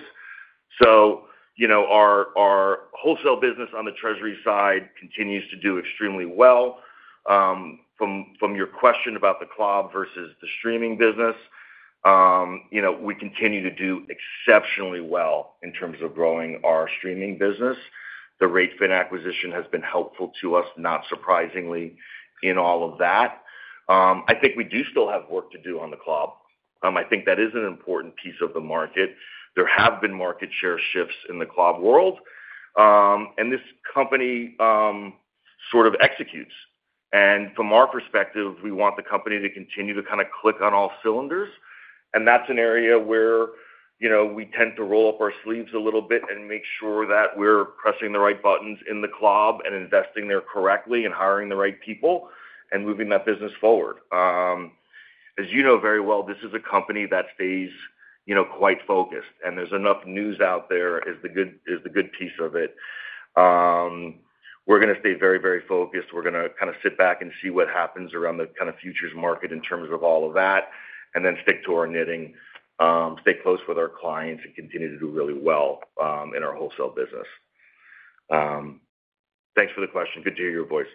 So our wholesale business on the treasury side continues to do extremely well. From your question about the CLOB versus the streaming business, we continue to do exceptionally well in terms of growing our streaming business. The r8fin acquisition has been helpful to us, not surprisingly, in all of that. I think we do still have work to do on the CLOB. I think that is an important piece of the market. There have been market share shifts in the CLOB world, and this company sort of executes. And from our perspective, we want the company to continue to kind of click on all cylinders. And that's an area where we tend to roll up our sleeves a little bit and make sure that we're pressing the right buttons in the CLOB and investing there correctly and hiring the right people and moving that business forward. As you know very well, this is a company that stays quite focused, and there's enough news out there. That's the good piece of it. We're going to stay very, very focused. We're going to kind of sit back and see what happens around the kind of futures market in terms of all of that and then stick to our knitting, stay close with our clients, and continue to do really well in our wholesale business. Thanks for the question. Good to hear your voice.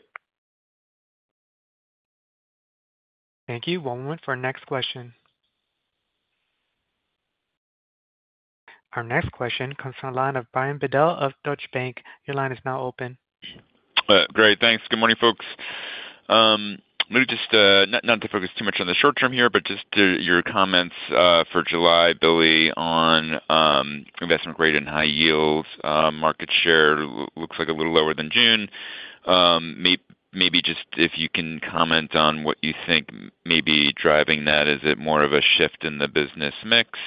Thank you. One moment for our next question. Our next question comes from the line of Brian Bedell of Deutsche Bank. Your line is now open. Great. Thanks. Good morning, folks. Maybe just not to focus too much on the short-term here, but just your comments for July, Billy, on investment grade and high-yield. Market share looks like a little lower than June. Maybe just if you can comment on what you think may be driving that. Is it more of a shift in the business mix,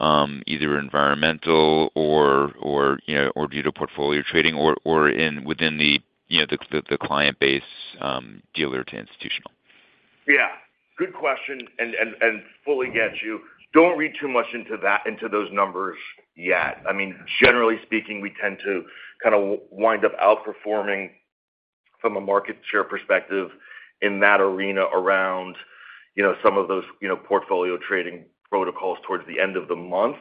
either environmental or due to portfolio trading or within the client base, dealer to institutional? Yeah. Good question. And fully get you. Don't read too much into those numbers yet. I mean, generally speaking, we tend to kind of wind up outperforming from a market share perspective in that arena around some of those portfolio trading protocols towards the end of the month.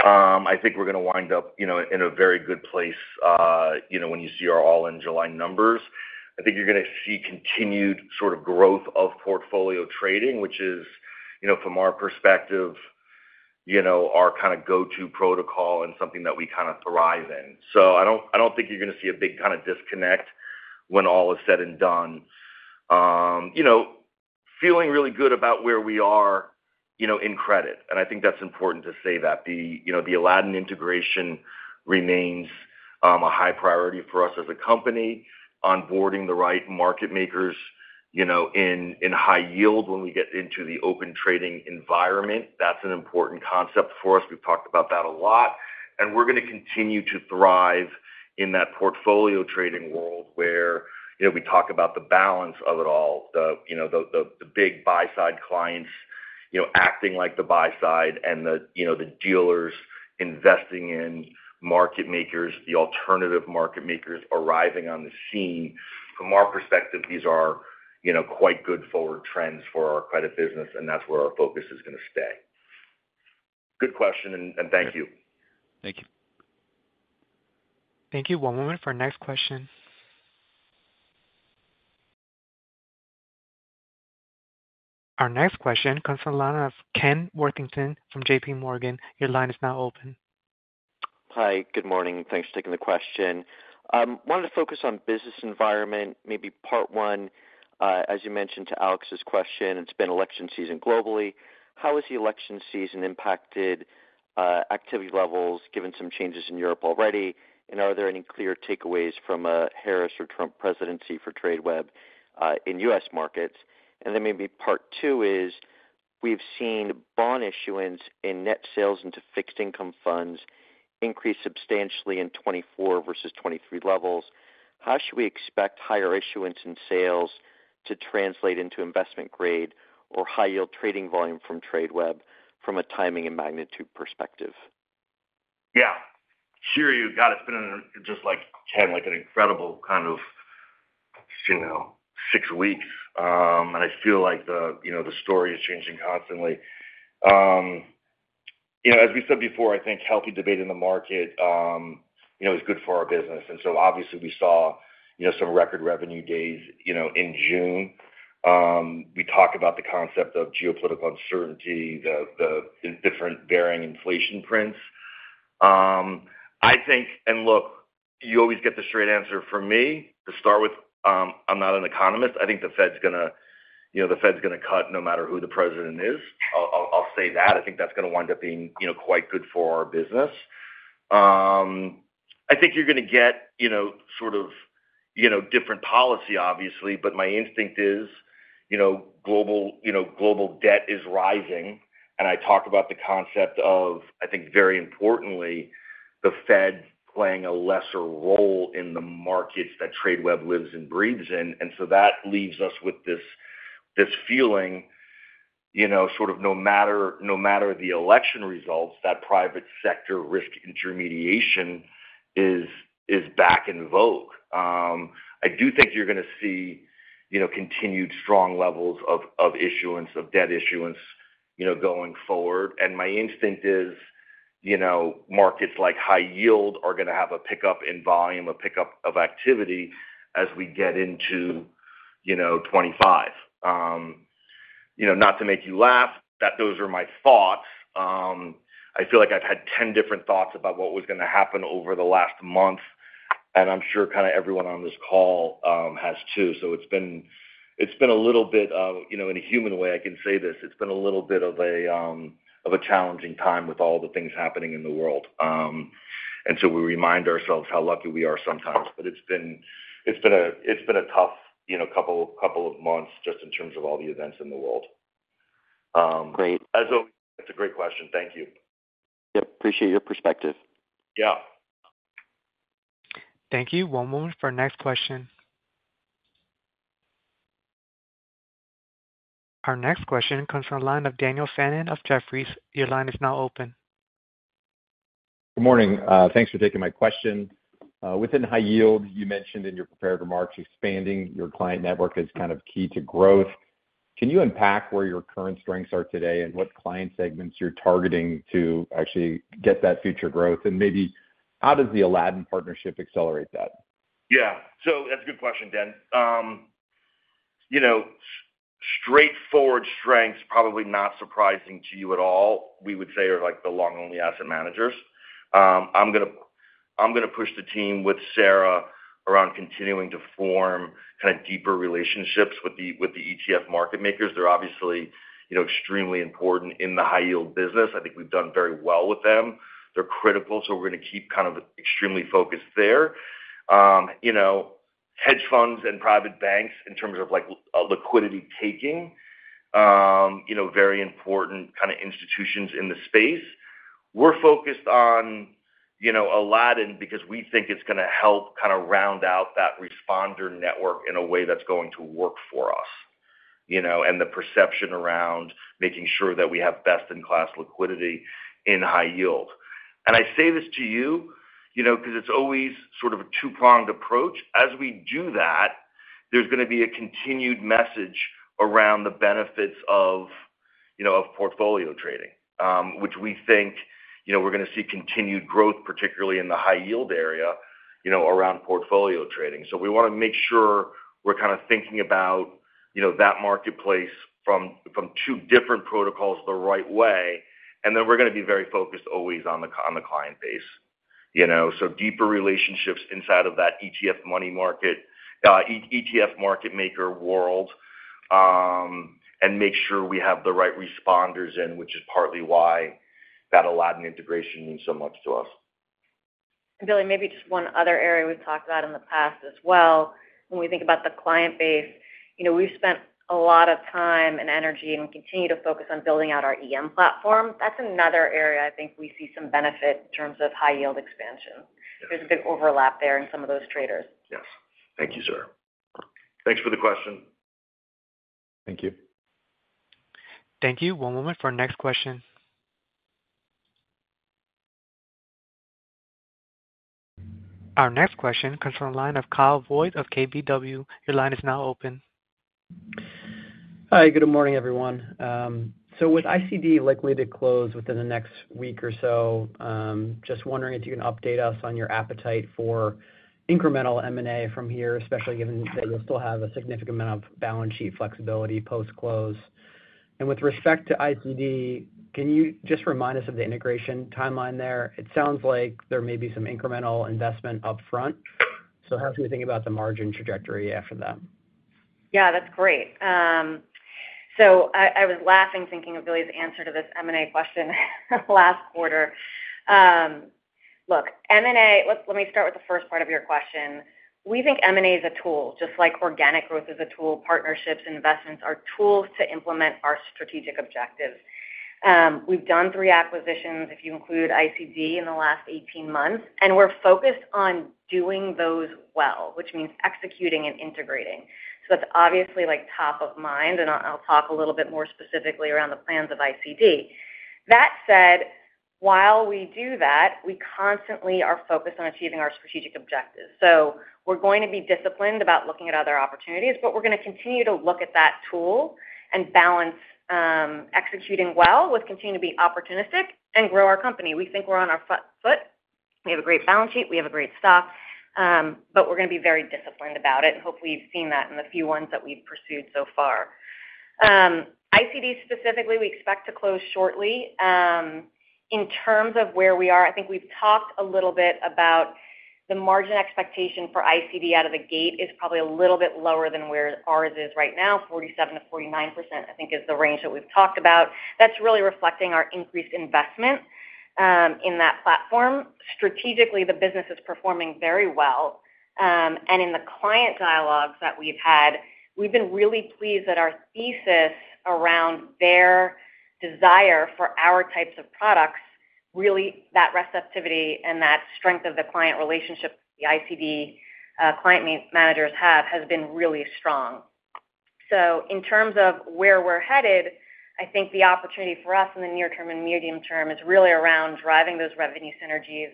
I think we're going to wind up in a very good place when you see our all-in July numbers. I think you're going to see continued sort of growth of portfolio trading, which is, from our perspective, our kind of go-to protocol and something that we kind of thrive in. So I don't think you're going to see a big kind of disconnect when all is said and done. Feeling really good about where we are in credit. And I think that's important to say that the Aladdin integration remains a high priority for us as a company. Onboarding the right market makers in high-yield when we get into the open trading environment, that's an important concept for us. We've talked about that a lot. We're going to continue to thrive in that portfolio trading world where we talk about the balance of it all, the big buy-side clients acting like the buy-side and the dealers investing in market makers, the alternative market makers arriving on the scene. From our perspective, these are quite good forward trends for our credit business, and that's where our focus is going to stay. Good question, and thank you. Thank you. Thank you. One moment for our next question. Our next question comes from the line of Ken Worthington from JPMorgan. Your line is now open. Hi. Good morning. Thanks for taking the question. Wanted to focus on business environment, maybe part one, as you mentioned to Alex's question. It's been election season globally. How has the election season impacted activity levels, given some changes in Europe already? And are there any clear takeaways from a Harris or Trump presidency for Tradeweb in U.S. markets? And then maybe part two is we've seen bond issuance and net sales into fixed income funds increase substantially in 2024 versus 2023 levels. How should we expect higher issuance and sales to translate into investment grade or high-yield trading volume from Tradeweb from a timing and magnitude perspective? Yeah. Sure, you got it. It's been just like 10, like an incredible kind of six weeks. I feel like the story is changing constantly. As we said before, I think healthy debate in the market is good for our business. So obviously, we saw some record revenue days in June. We talk about the concept of geopolitical uncertainty, the different varying inflation prints. I think, and look, you always get the straight answer from me to start with. I'm not an economist. I think the Fed's going to, the Fed's going to cut no matter who the president is. I'll say that. I think that's going to wind up being quite good for our business. I think you're going to get sort of different policy, obviously, but my instinct is global debt is rising. And I talk about the concept of, I think, very importantly, the Fed playing a lesser role in the markets that Tradeweb lives and breathes in. And so that leaves us with this feeling sort of no matter the election results, that private sector risk intermediation is back in vogue. I do think you're going to see continued strong levels of issuance, of debt issuance going forward. And my instinct is markets like high-yield are going to have a pickup in volume, a pickup of activity as we get into 2025. Not to make you laugh, those are my thoughts. I feel like I've had 10 different thoughts about what was going to happen over the last month, and I'm sure kind of everyone on this call has too. So it's been a little bit of, in a human way, I can say this, it's been a little bit of a challenging time with all the things happening in the world. And so we remind ourselves how lucky we are sometimes, but it's been a tough couple of months just in terms of all the events in the world. Great. As always, that's a great question. Thank you. Yep. Appreciate your perspective. Yeah. Thank you. One moment for our next question. Our next question comes from the line of Dan Fannon of Jefferies. Your line is now open. Good morning. Thanks for taking my question. Within high-yield, you mentioned in your prepared remarks expanding your client network is kind of key to growth. Can you unpack where your current strengths are today and what client segments you're targeting to actually get that future growth? And maybe how does the Aladdin partnership accelerate that? Yeah. So that's a good question, Dan. Straightforward strengths, probably not surprising to you at all, we would say, are the long-only asset managers. I'm going to push the team with Sara around continuing to form kind of deeper relationships with the ETF market makers. They're obviously extremely important in the high-yield business. I think we've done very well with them. They're critical, so we're going to keep kind of extremely focused there. Hedge funds and private banks in terms of liquidity taking, very important kind of institutions in the space. We're focused on Aladdin because we think it's going to help kind of round out that responder network in a way that's going to work for us and the perception around making sure that we have best-in-class liquidity in high-yield. And I say this to you because it's always sort of a two-pronged approach. As we do that, there's going to be a continued message around the benefits of portfolio trading, which we think we're going to see continued growth, particularly in the high-yield area around portfolio trading. So we want to make sure we're kind of thinking about that marketplace from two different protocols the right way. Then we're going to be very focused always on the client base. So deeper relationships inside of that ETF money market, ETF market maker world, and make sure we have the right responders in, which is partly why that Aladdin integration means so much to us. Billy, maybe just one other area we've talked about in the past as well. When we think about the client base, we've spent a lot of time and energy and continue to focus on building out our EM platform. That's another area I think we see some benefit in terms of high-yield expansion. There's a big overlap there in some of those traders. Yes. Thank you, sir. Thanks for the question. Thank you. Thank you. One moment for our next question. Our next question comes from the line of Kyle Voigt of KBW. Your line is now open. Hi. Good morning, everyone. With ICD likely to close within the next week or so, just wondering if you can update us on your appetite for incremental M&A from here, especially given that you'll still have a significant amount of balance sheet flexibility post-close. With respect to ICD, can you just remind us of the integration timeline there? It sounds like there may be some incremental investment upfront. How should we think about the margin trajectory after that? Yeah, that's great. So I was laughing thinking of Billy's answer to this M&A question last quarter. Look, let me start with the first part of your question. We think M&A is a tool, just like organic growth is a tool. Partnerships, investments are tools to implement our strategic objectives. We've done three acquisitions, if you include ICD, in the last 18 months, and we're focused on doing those well, which means executing and integrating. So that's obviously top of mind, and I'll talk a little bit more specifically around the plans of ICD. That said, while we do that, we constantly are focused on achieving our strategic objectives. So we're going to be disciplined about looking at other opportunities, but we're going to continue to look at that tool and balance executing well with continuing to be opportunistic and grow our company. We think we're on our front foot. We have a great balance sheet. We have a great stock, but we're going to be very disciplined about it, and hopefully, you've seen that in the few ones that we've pursued so far. ICD specifically, we expect to close shortly. In terms of where we are, I think we've talked a little bit about the margin expectation for ICD out of the gate, is probably a little bit lower than where ours is right now. 47%-49%, I think, is the range that we've talked about. That's really reflecting our increased investment in that platform. Strategically, the business is performing very well. In the client dialogues that we've had, we've been really pleased that our thesis around their desire for our types of products, really that receptivity and that strength of the client relationship the ICD client managers have has been really strong. So in terms of where we're headed, I think the opportunity for us in the near term and medium term is really around driving those revenue synergies,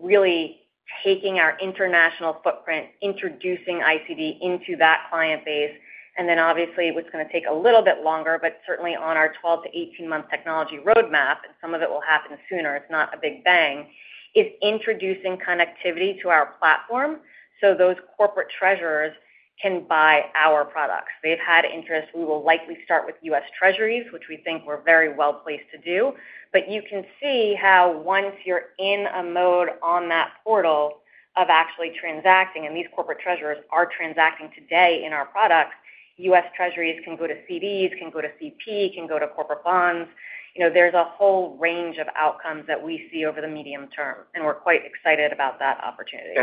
really taking our international footprint, introducing ICD into that client base. And then, obviously, what's going to take a little bit longer, but certainly on our 12- months-18-month technology roadmap, and some of it will happen sooner. It's not a big bang, is introducing connectivity to our platform so those corporate treasurers can buy our products. They've had interest. We will likely start with U.S. Treasuries, which we think we're very well placed to do. But you can see how once you're in a mode on that portal of actually transacting, and these corporate treasurers are transacting today in our products, U.S. Treasuries can go to CDs, can go to CP, can go to corporate bonds. There's a whole range of outcomes that we see over the medium term, and we're quite excited about that opportunity.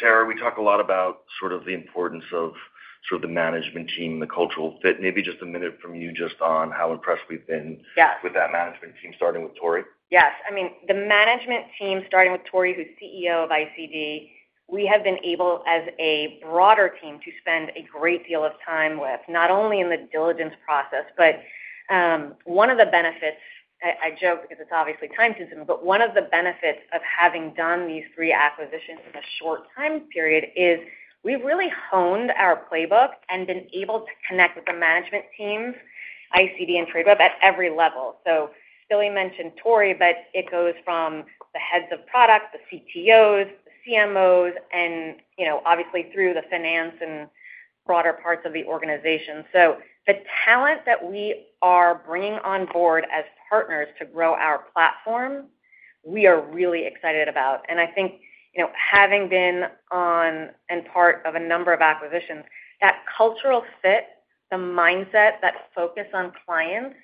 Sara, we talk a lot about sort of the importance of sort of the management team, the cultural fit. Maybe just a minute from you just on how impressed we've been with that management team, starting with Tory. Yes. I mean, the management team, starting with Tory, who's CEO of ICD, we have been able, as a broader team, to spend a great deal of time with not only in the diligence process, but one of the benefits, I joke because it's obviously time-consuming, but one of the benefits of having done these three acquisitions in a short time period is we've really honed our playbook and been able to connect with the management teams, ICD, and Tradeweb at every level. So Billy mentioned Tory, but it goes from the heads of product, the CTOs, the CMOs, and obviously through the finance and broader parts of the organization. So the talent that we are bringing on board as partners to grow our platform, we are really excited about. I think having been on and part of a number of acquisitions, that cultural fit, the mindset, that focus on clients,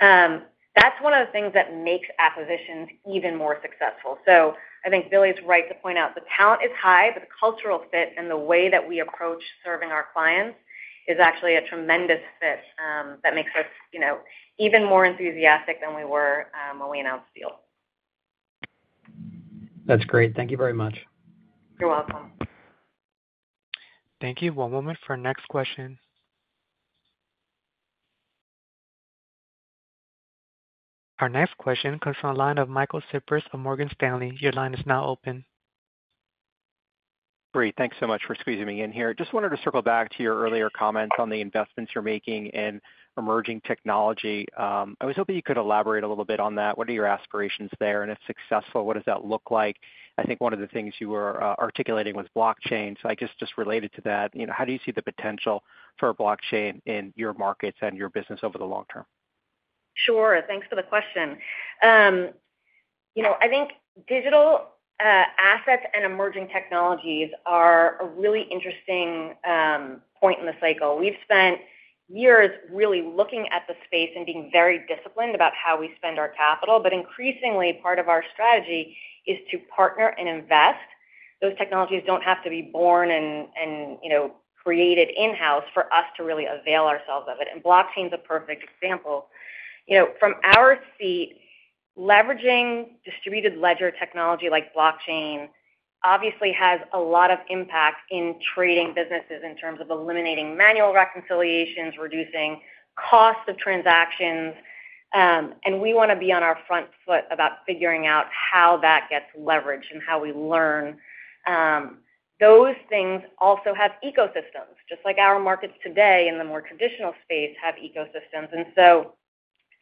that's one of the things that makes acquisitions even more successful. So I think Billy's right to point out the talent is high, but the cultural fit and the way that we approach serving our clients is actually a tremendous fit that makes us even more enthusiastic than we were when we announced deal. That's great. Thank you very much. You're welcome. Thank you. One moment for our next question. Our next question comes from the line of Michael Cyprys of Morgan Stanley. Your line is now open. Great. Thanks so much for squeezing me in here. Just wanted to circle back to your earlier comments on the investments you're making in emerging technology. I was hoping you could elaborate a little bit on that. What are your aspirations there? And if successful, what does that look like? I think one of the things you were articulating was blockchain. So I just related to that. How do you see the potential for blockchain in your markets and your business over the long-term? Sure. Thanks for the question. I think digital assets and emerging technologies are a really interesting point in the cycle. We've spent years really looking at the space and being very disciplined about how we spend our capital, but increasingly, part of our strategy is to partner and invest. Those technologies don't have to be born and created in-house for us to really avail ourselves of it. And blockchain's a perfect example. From our seat, leveraging distributed ledger technology like blockchain obviously has a lot of impact in trading businesses in terms of eliminating manual reconciliations, reducing costs of transactions. And we want to be on our front foot about figuring out how that gets leveraged and how we learn. Those things also have ecosystems, just like our markets today in the more traditional space have ecosystems.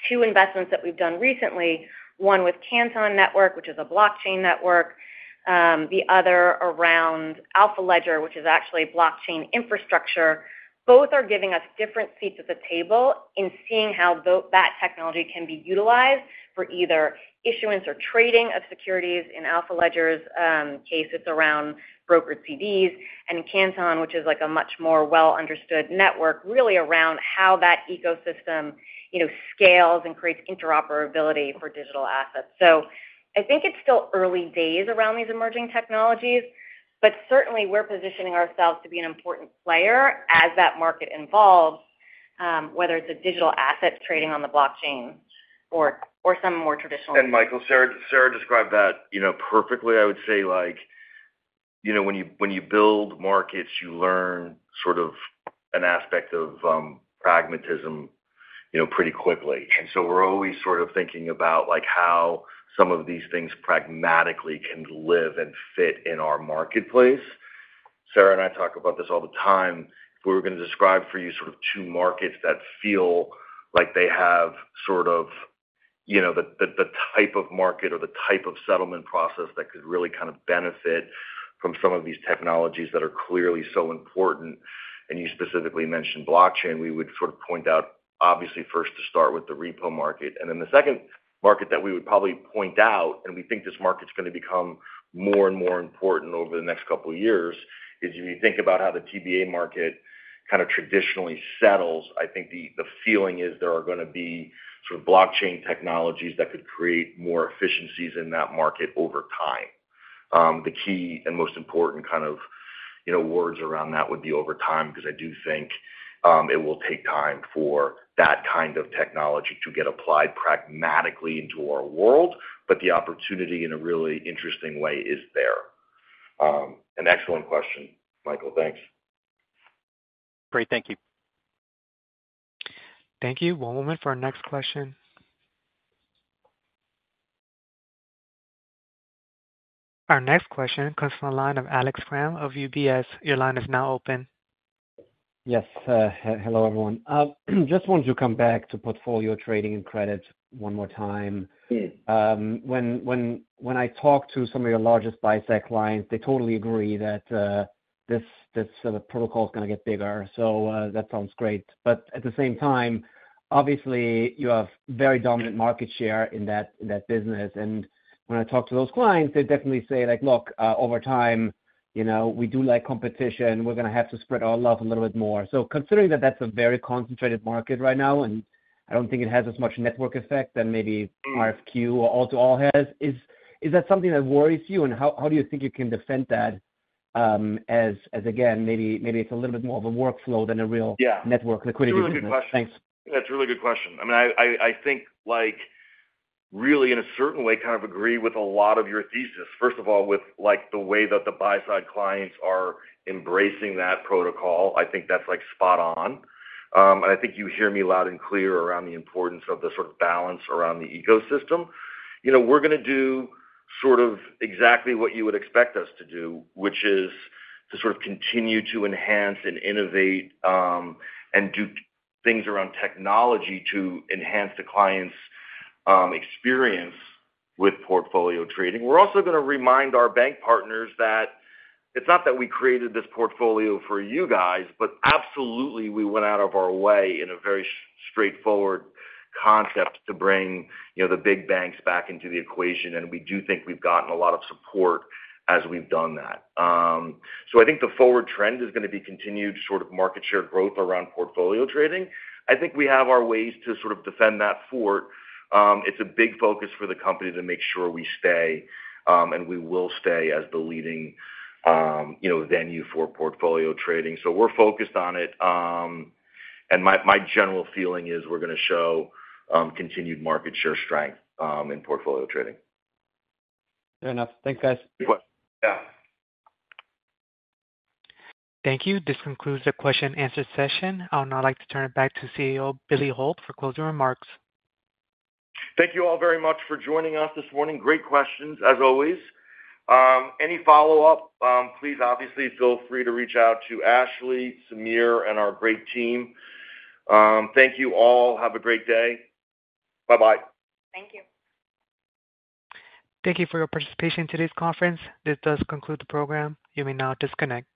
Two investments that we've done recently, one with Canton Network, which is a blockchain network, the other around AlphaLedger, which is actually blockchain infrastructure. Both are giving us different seats at the table in seeing how that technology can be utilized for either issuance or trading of securities. In AlphaLedger's case, it's around brokered CDs. And Canton, which is a much more well-understood network, really around how that ecosystem scales and creates interoperability for digital assets. So I think it's still early days around these emerging technologies, but certainly we're positioning ourselves to be an important player as that market evolves, whether it's a digital asset trading on the blockchain or some more traditional. Michael, Sara described that perfectly. I would say when you build markets, you learn sort of an aspect of pragmatism pretty quickly. So we're always sort of thinking about how some of these things pragmatically can live and fit in our marketplace. Sara and I talk about this all the time. If we were going to describe for you sort of two markets that feel like they have sort of the type of market or the type of settlement process that could really kind of benefit from some of these technologies that are clearly so important, and you specifically mentioned blockchain, we would sort of point out, obviously, first to start with the repo market. And then the second market that we would probably point out, and we think this market's going to become more and more important over the next couple of years, is if you think about how the TBA market kind of traditionally settles, I think the feeling is there are going to be sort of blockchain technologies that could create more efficiencies in that market over time. The key and most important kind of words around that would be over time because I do think it will take time for that kind of technology to get applied pragmatically into our world, but the opportunity in a really interesting way is there. An excellent question, Michael. Thanks. Great. Thank you. Thank you. One moment for our next question. Our next question comes from the line of Alex Kramm of UBS. Your line is now open. Yes. Hello, everyone. Just wanted to come back to portfolio trading and credit one more time. When I talk to some of your largest buy-side clients, they totally agree that this protocol is going to get bigger. So that sounds great. But at the same time, obviously, you have very dominant market share in that business. And when I talk to those clients, they definitely say, "Look, over time, we do like competition. We're going to have to spread our love a little bit more." So considering that that's a very concentrated market right now, and I don't think it has as much network effect than maybe RFQ or all-to-all has, is that something that worries you? And how do you think you can defend that as, again, maybe it's a little bit more of a workflow than a real network liquidity business? That's a really good question. That's a really good question. I mean, I think really, in a certain way, kind of agree with a lot of your thesis. First of all, with the way that the buy-side clients are embracing that protocol, I think that's spot on. And I think you hear me loud and clear around the importance of the sort of balance around the ecosystem. We're going to do sort of exactly what you would expect us to do, which is to sort of continue to enhance and innovate and do things around technology to enhance the client's experience with portfolio trading. We're also going to remind our bank partners that it's not that we created this portfolio for you guys, but absolutely, we went out of our way in a very straightforward concept to bring the big banks back into the equation. We do think we've gotten a lot of support as we've done that. So I think the forward trend is going to be continued sort of market share growth around portfolio trading. I think we have our ways to sort of defend that fort. It's a big focus for the company to make sure we stay, and we will stay as the leading venue for portfolio trading. So we're focused on it. And my general feeling is we're going to show continued market share strength in portfolio trading. Fair enough. Thanks, guys. Good question. Yeah. Thank you. This concludes the question-and-answer session. I'll now like to turn it back to CEO Billy Hult for closing remarks. Thank you all very much for joining us this morning. Great questions, as always. Any follow-up, please obviously feel free to reach out to Ashley, Samir, and our great team. Thank you all. Have a great day. Bye-bye. Thank you. Thank you for your participation in today's conference. This does conclude the program. You may now disconnect.